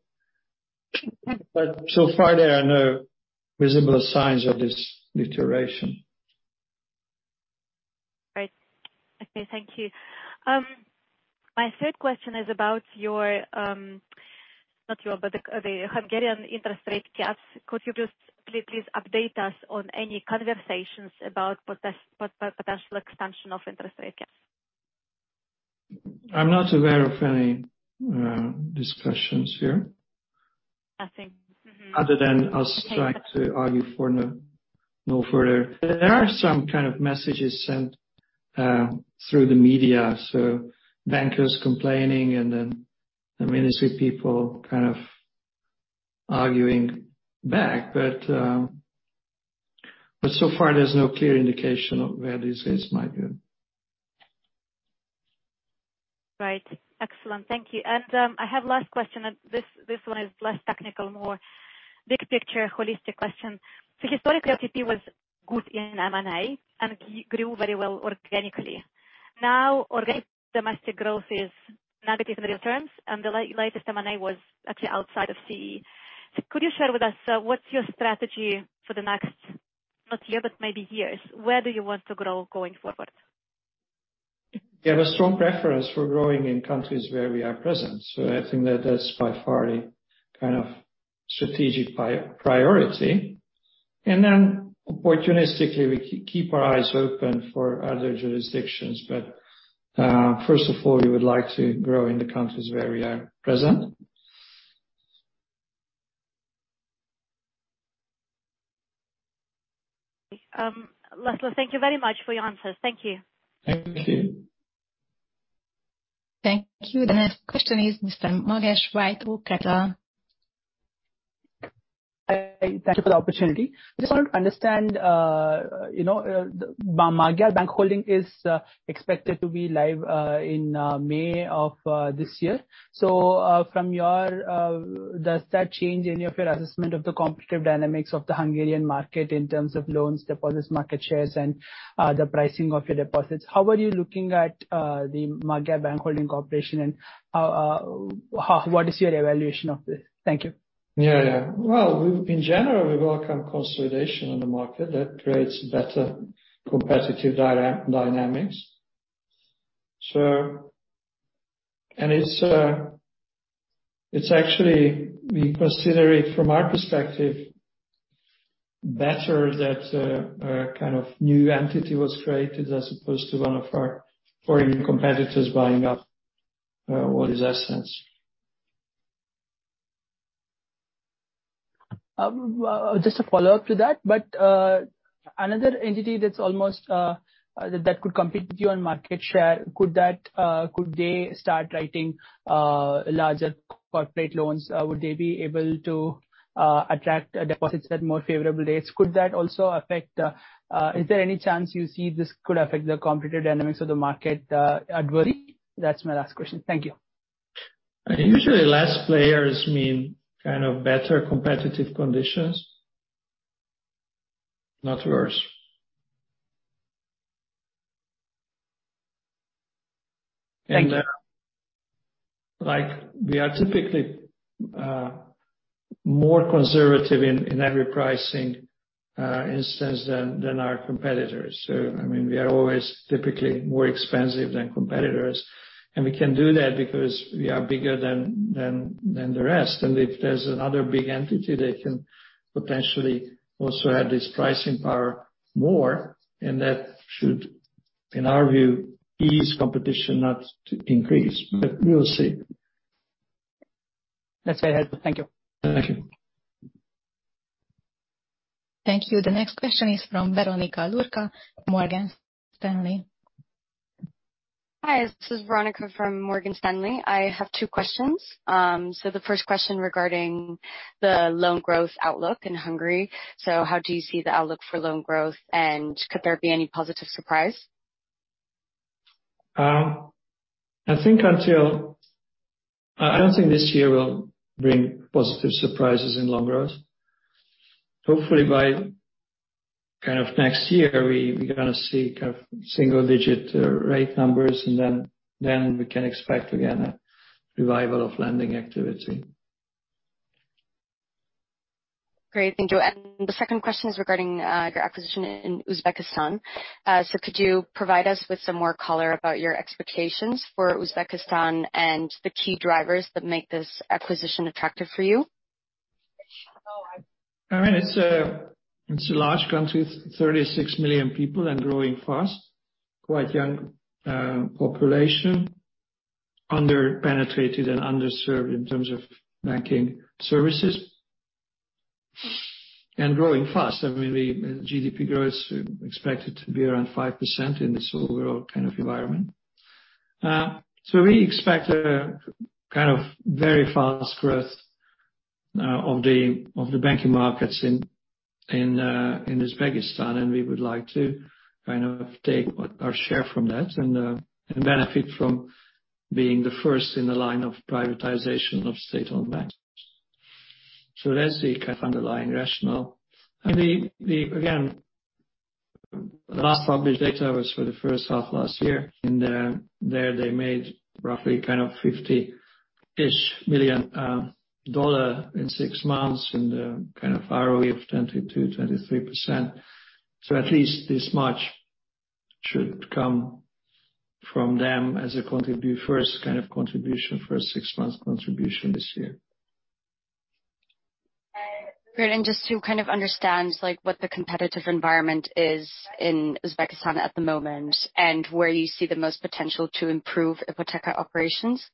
So far there are no visible signs of this deterioration. Right. Okay, thank you. My third question is about your, not your but the Hungarian interest rate caps. Could you just please update us on any conversations about potential extension of interest rate caps? I'm not aware of any discussions here. Nothing. Mm-hmm. Other than us trying to argue for no further. There are some kind of messages sent, through the media, so bankers complaining and then the ministry people kind of arguing back. So far there's no clear indication of where this risk might go. Right. Excellent. Thank you. I have last question. This one is less technical, more big picture holistic question. Historically, OTP was good in M&A and grew very well organically. Now, organic domestic growth is negative in real terms, and the latest M&A was actually outside of CEE. Could you share with us, what's your strategy for the next, not year, but maybe years? Where do you want to grow going forward? We have a strong preference for growing in countries where we are present, so I think that that's by far the kind of strategic priority. Opportunistically, we keep our eyes open for other jurisdictions. First of all, we would like to grow in the countries where we are present. László, thank you very much for your answers. Thank you. Thank you. Thank you. The next question is Mr. Mahesh Nabha from Kepler Cheuvreux. Hi. Thank you for the opportunity. Just want to understand, you know, Magyar Bankholding is expected to be live in May of this year. From your, does that change any of your assessment of the competitive dynamics of the Hungarian market in terms of loans, deposits, market shares and the pricing of your deposits? How are you looking at the Magyar Bankholding and how what is your evaluation of it? Thank you. Yeah. Well, in general, we welcome consolidation in the market that creates better competitive dynamics. It's actually we consider it from our perspective better that a kind of new entity was created as opposed to one of our foreign competitors buying up what is essence. Just a follow-up to that. Another entity that's almost that could compete with you on market share, could that, could they start writing larger corporate loans? Would they be able to attract deposits at more favorable rates? Is there any chance you see this could affect the competitive dynamics of the market adversely? That's my last question. Thank you. Usually less players mean kind of better competitive conditions, not worse. Thank you. Like, we are typically more conservative in every pricing instance than our competitors. I mean, we are always typically more expensive than competitors. We can do that because we are bigger than the rest. If there's another big entity, they can potentially also have this pricing power more. That should, in our view, ease competition not to increase. We'll see. That's very helpful. Thank you. Thank you. Thank you. The next question is from Veronica Luta, Morgan Stanley. Hi, this is Veronica from Morgan Stanley. I have two questions. The first question regarding the loan growth outlook in Hungary. How do you see the outlook for loan growth, and could there be any positive surprise? I think until... I don't think this year will bring positive surprises in loan growth. Hopefully Kind of next year we're gonna see kind of single-digit rate numbers, and then we can expect again a revival of lending activity. Great. Thank you. The second question is regarding your acquisition in Uzbekistan. Could you provide us with some more color about your expectations for Uzbekistan and the key drivers that make this acquisition attractive for you? I mean, it's a, it's a large country, it's 36 million people and growing fast. Quite young, population. Under-penetrated and underserved in terms of banking services. Growing fast. I mean, the GDP growth is expected to be around 5% in this overall kind of environment. We expect a kind of very fast growth of the banking markets in Uzbekistan, and we would like to kind of take our share from that and benefit from being the first in the line of privatization of state-owned banks. That's the kind of underlying rationale. The last published data was for the first half last year, and there they made roughly kind of $50 million in 6 months in the kind of ROE of 22%-23%. At least this much should come from them as a contribute first kind of contribution, first six months contribution this year. Great. Just to kind of understand, like, what the competitive environment is in Uzbekistan at the moment, and where you see the most potential to improve Ipoteka operations?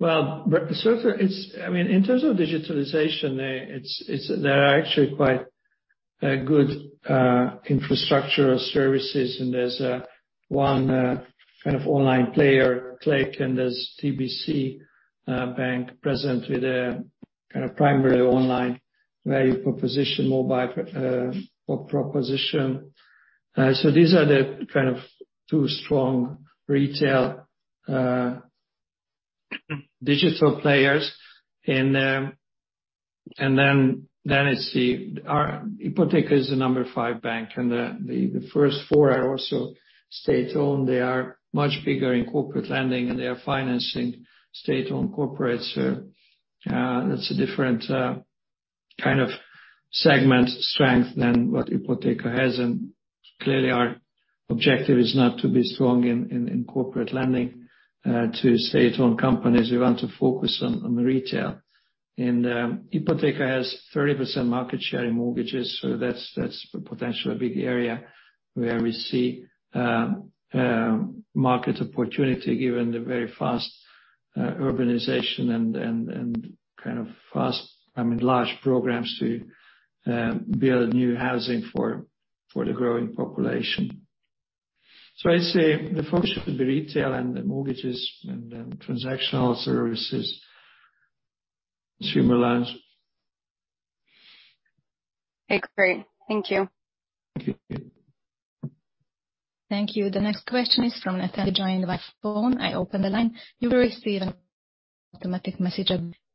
Well, I mean, in terms of digitalization, it's, there are actually quite a good infrastructure services, and there's one kind of online player, Click, and there's TBC Bank present with a kind of primary online value proposition mobile or proposition. These are the kind of two strong retail digital players. Then it's the Our Ipoteka is the number five bank, and the first four are also state-owned. They are much bigger in corporate lending, and they are financing state-owned corporates. That's a different kind of segment strength than what Ipoteka has. Clearly our objective is not to be strong in corporate lending to state-owned companies. We want to focus on the retail. Ipoteka has 30% market share in mortgages, so that's potentially a big area where we see market opportunity, given the very fast urbanization and kind of fast, I mean, large programs to build new housing for the growing population. I'd say the focus would be retail and the mortgages and transactional services, consumer loans. Okay, great. Thank you. Thank you. Thank you. The next question is from Natalie joining by phone. I open the line. You will receive an automatic message.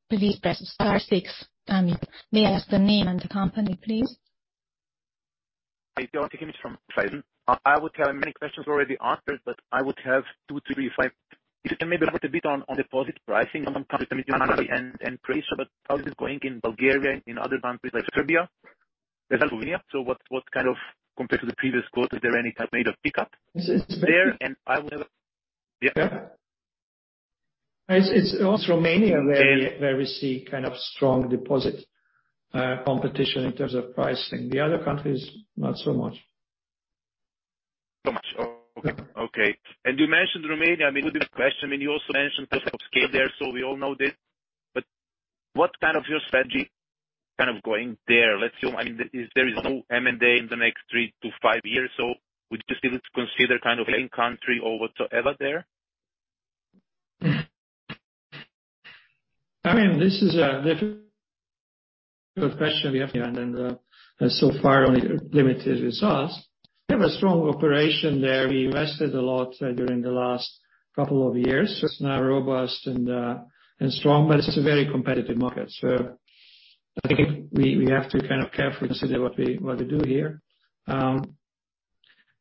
Please press star six. May I ask the name and the company, please? I don't think it's from Friesen. I would tell many questions already answered, but I would have two, three. If you can maybe elaborate a bit on deposit pricing on company and price, how this is going in Bulgaria and in other countries like Serbia and Slovenia? What kind of... Compared to the previous quote, is there any type made of pickup there? I will never... Yeah. It's also Romania where we see kind of strong deposit competition in terms of pricing. The other countries, not so much. much. Okay. Yeah. Okay. You mentioned Romania. I mean, good question. I mean, you also mentioned scale there, we all know this. What kind of your strategy kind of going there? Let's assume, I mean, is there is no M&A in the next three-five years. Would you still consider kind of main country or whatsoever there? I mean, this is a different question we have here, and so far only limited results. We have a strong operation there. We invested a lot during the last couple of years. It's now robust and strong, but it's a very competitive market. I think we have to kind of carefully consider what we, what we do here.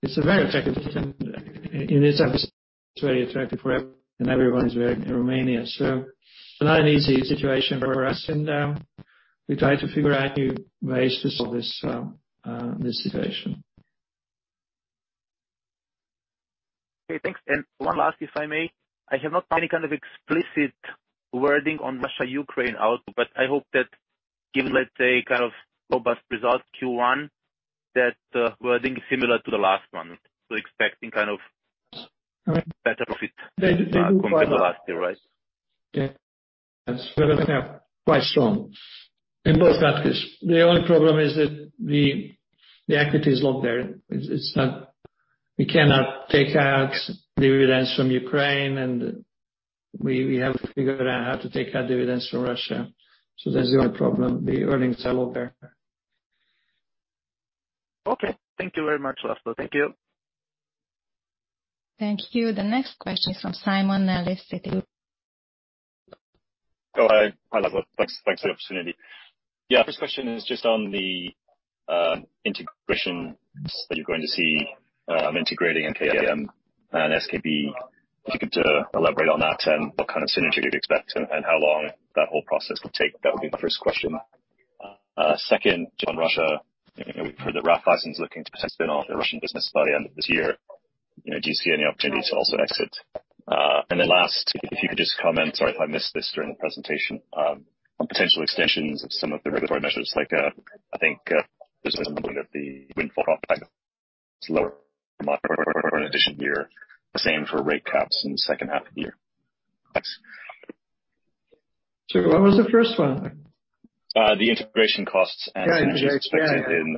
It's a very attractive in this episode. It's very attractive for everyone is very in Romania. It's not an easy situation for us, and we try to figure out new ways to solve this situation. Okay, thanks. One last, if I may. I have not seen any kind of explicit wording on Russia-Ukraine out, but I hope that given, let's say, kind of robust results Q1, that wording is similar to the last one. Expecting kind of better profit than compared to last year, right? Yeah. That's very fair. Quite strong. In both countries. The only problem is that the equity is locked there. It's not. We cannot take out dividends from Ukraine and we have to figure out how to take out dividends from Russia. That's the only problem. The earnings are low there. Okay. Thank you very much, László. Thank you. Thank you. The next question is from Gábor Kemény with Citi. Thanks for the opportunity. First question is just on the integrations that you're going to see, integrating NKBM and SKB. If you could elaborate on that and what kind of synergy you'd expect and how long that whole process will take. That would be the first question. Second, on Russia, you know, we've heard that Raiffeisen is looking to possibly spin off their Russian business by the end of this year. You know, do you see any opportunity to also exit? Last, if you could just comment, sorry if I missed this during the presentation, on potential extensions of some of the regulatory measures, like, I think, there's the windfall tax for an additional year. The same for rate caps in the second half of the year. Thanks. Sorry, what was the first one? The integration costs. Got it. Yeah, yeah. expected in.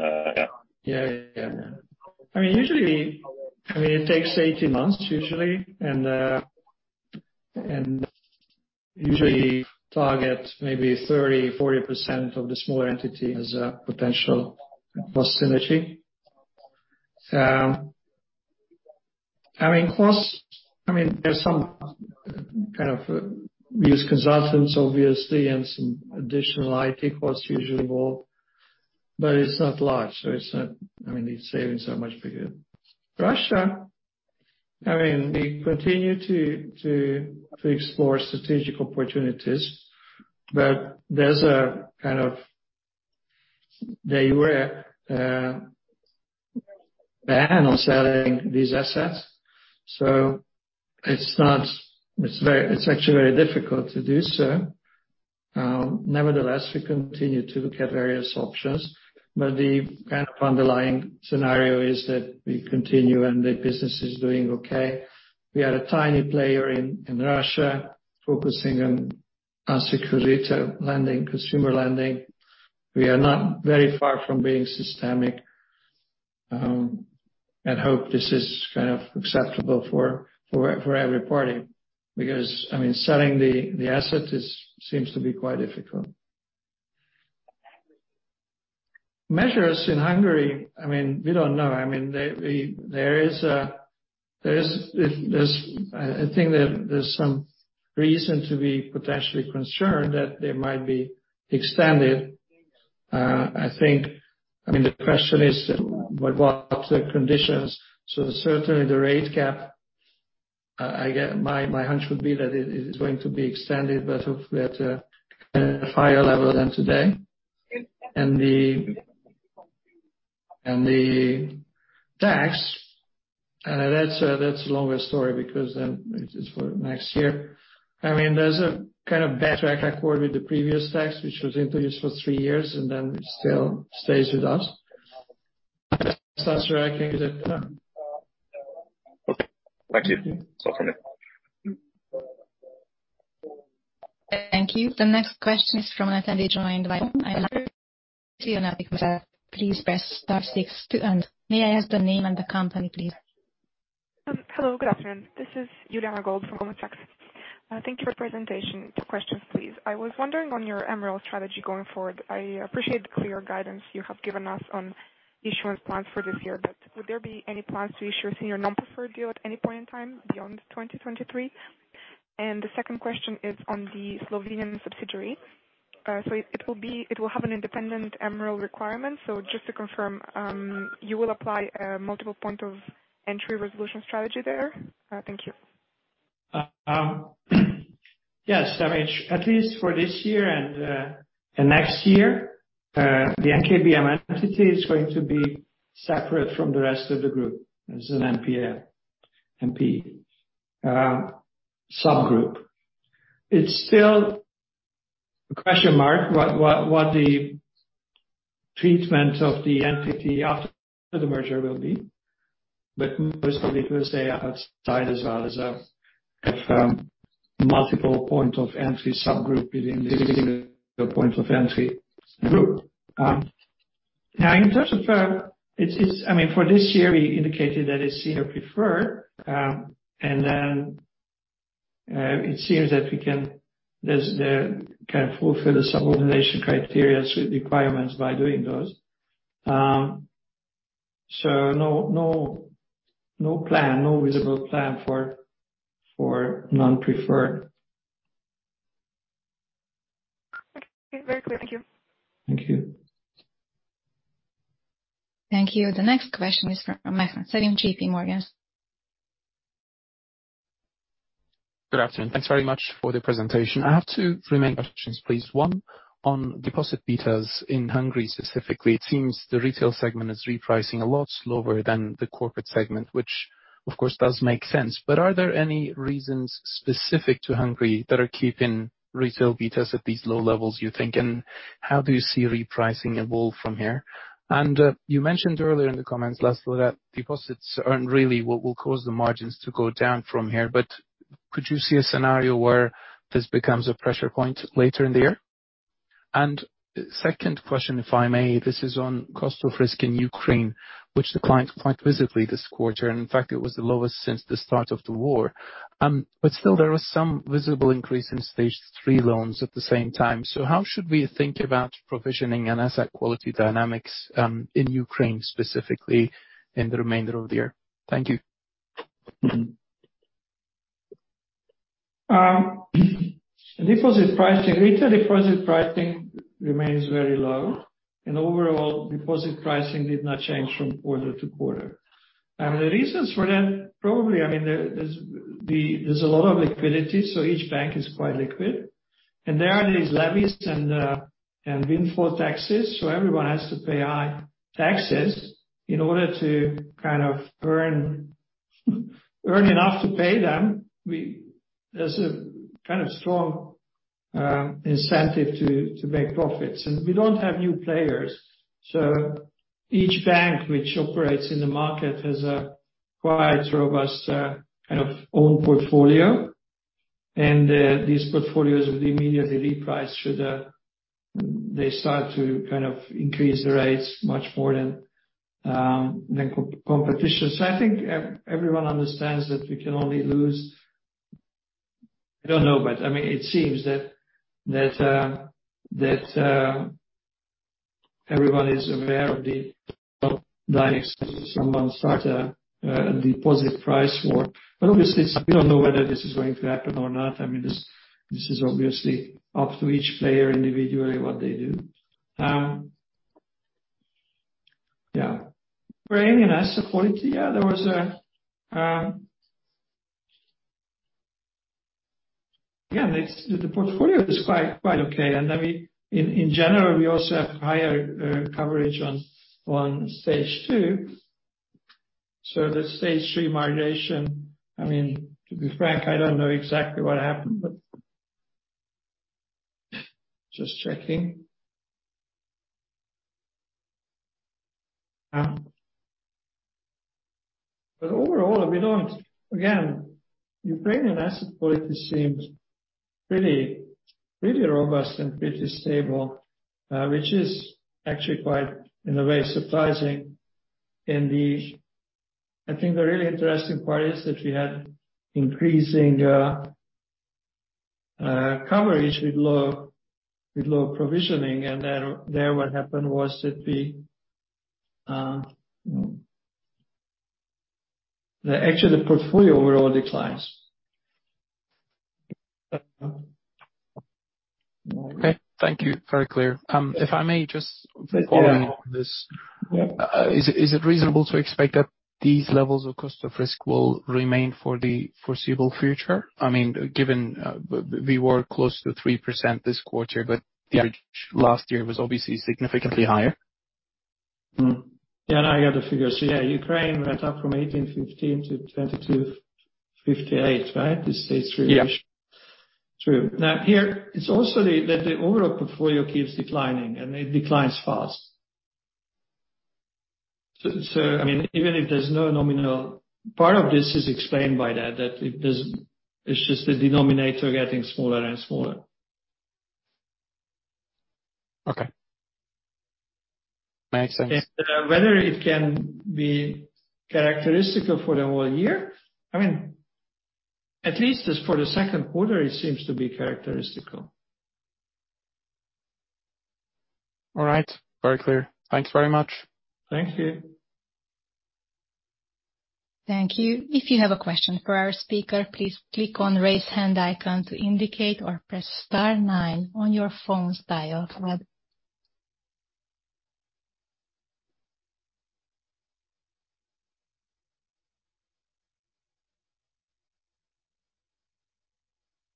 Yeah. I mean, usually, it takes 18 months usually, and usually target maybe 30%-40% of the smaller entity as a potential cost synergy. I mean, costs, I mean, there's some kind of, we use consultants obviously and some additional IT costs usually involved, but it's not large, so it's not. I mean, the savings are much bigger. Russia, I mean, we continue to explore strategic opportunities, but there's a kind of. They were banned on selling these assets, so it's not. It's actually very difficult to do so. We continue to look at various options, but the kind of underlying scenario is that we continue and the business is doing okay. We are a tiny player in Russia, focusing on unsecured retail lending, consumer lending. We are not very far from being systemic, and hope this is kind of acceptable for every party. I mean, selling the asset seems to be quite difficult. Measures in Hungary, I mean, we don't know. I mean, there is a, there's... I think that there's some reason to be potentially concerned that they might be extended. I think, I mean, the question is what are the conditions? Certainly the rate cap, I get... My hunch would be that it is going to be extended, but hopefully at a higher level than today. The tax, that's a longer story because then it is for next year. I mean, there's a kind of backtrack accord with the previous tax, which was introduced for three years and then still stays with us. Okay. Thank you. That's all for now. Thank you. The next question is from an attendee joined by. Please press star six to unmute. May I ask the name and the company please? Hello, good afternoon. This is Giuliana Sgorbini from Autonomous Research. Thank you for the presentation. Two questions please. I was wondering on your MREL strategy going forward. Would there be any plans to issue a senior non-preferred deal at any point in time beyond 2023? The second question is on the Slovenian subsidiary. It will have an independent MREL requirement. Just to confirm, you will apply a multiple point of entry resolution strategy there? Thank you. Yes, I mean, at least for this year and next year, the NKBM entity is going to be separate from the rest of the group as an NPA subgroup. It's still a question mark what the treatment of the entity after the merger will be. Most probably it will stay outside as well as a multiple point of entry subgroup within the point of entry group. In terms of, I mean, for this year we indicated that it's senior preferred, it seems that we can fulfill the subordination criteria with requirements by doing those. No plan, no visible plan for non-preferred. Okay. Very clear. Thank you. Thank you. Thank you. The next question is from Michael Sládky, JP Morgan. Good afternoon. Thanks very much for the presentation. I have three main questions please. One on deposit betas in Hungary specifically. It seems the retail segment is repricing a lot slower than the corporate segment, which of course does make sense. Are there any reasons specific to Hungary that are keeping retail betas at these low levels you think? How do you see repricing evolve from here? You mentioned earlier in the comments, Laszlo, that deposits aren't really what will cause the margins to go down from here. Could you see a scenario where this becomes a pressure point later in the year? Second question, if I may, this is on cost of risk in Ukraine, which declined quite visibly this quarter, and in fact it was the lowest since the start of the war. Still there was some visible increase in Stage three loans at the same time. How should we think about provisioning and asset quality dynamics in Ukraine specifically in the remainder of the year? Thank you. Deposit pricing. Retail deposit pricing remains very low, and overall deposit pricing did not change from quarter to quarter. The reasons for that, probably, I mean, there's a lot of liquidity, so each bank is quite liquid. There are these levies and windfall taxes, so everyone has to pay high taxes in order to kind of earn enough to pay them. There's a kind of strong incentive to make profits. We don't have new players. Each bank which operates in the market has a quite robust kind of own portfolio. These portfolios would immediately reprice should they start to kind of increase the rates much more than competition. I think everyone understands that we can only lose... I don't know, but, I mean, it seems that everyone is aware of the. Yeah, I support it. Yeah, there was a. The portfolio is quite okay. In general, we also have higher coverage on Stage two. The Stage three migration, I mean, to be frank, I don't know exactly what happened, but just checking. Overall, Ukrainian asset quality seems pretty robust and pretty stable, which is actually quite, in a way, surprising. I think the really interesting part is that we had increasing coverage with low provisioning. There what happened was that the portfolio overall declines. Okay. Thank you. Very clear. Yeah. follow on this. Yeah. Is it reasonable to expect that these levels of cost of risk will remain for the foreseeable future? I mean, given, we were close to 3% this quarter, but the average last year was obviously significantly higher. Yeah, now I got the figures. Yeah, Ukraine went up from 1,850 to 2,258, right? The Stage 3. Yeah. ratio. True. Here, it's also that the overall portfolio keeps declining, and it declines fast. I mean, even if there's no nominal... Part of this is explained by that it does... It's just the denominator getting smaller and smaller. Okay. Makes sense. Whether it can be characteristic for the whole year, I mean, at least as for the second quarter, it seems to be characteristic. All right. Very clear. Thank you very much. Thank you. Thank you. If you have a question for our speaker, please click on raise hand icon to indicate or press star nine on your phone's dial pad.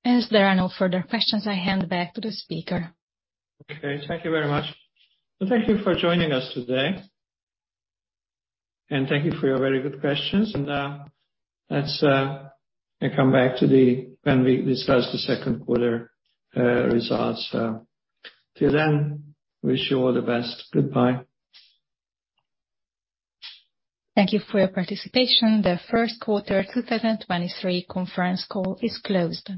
As there are no further questions, I hand back to the speaker. Okay. Thank you very much. Thank you for joining us today, and thank you for your very good questions. Let's come back to the when we discuss the second quarter results. Till then, wish you all the best. Goodbye. Thank you for your participation. The first quarter 2023 conference call is closed.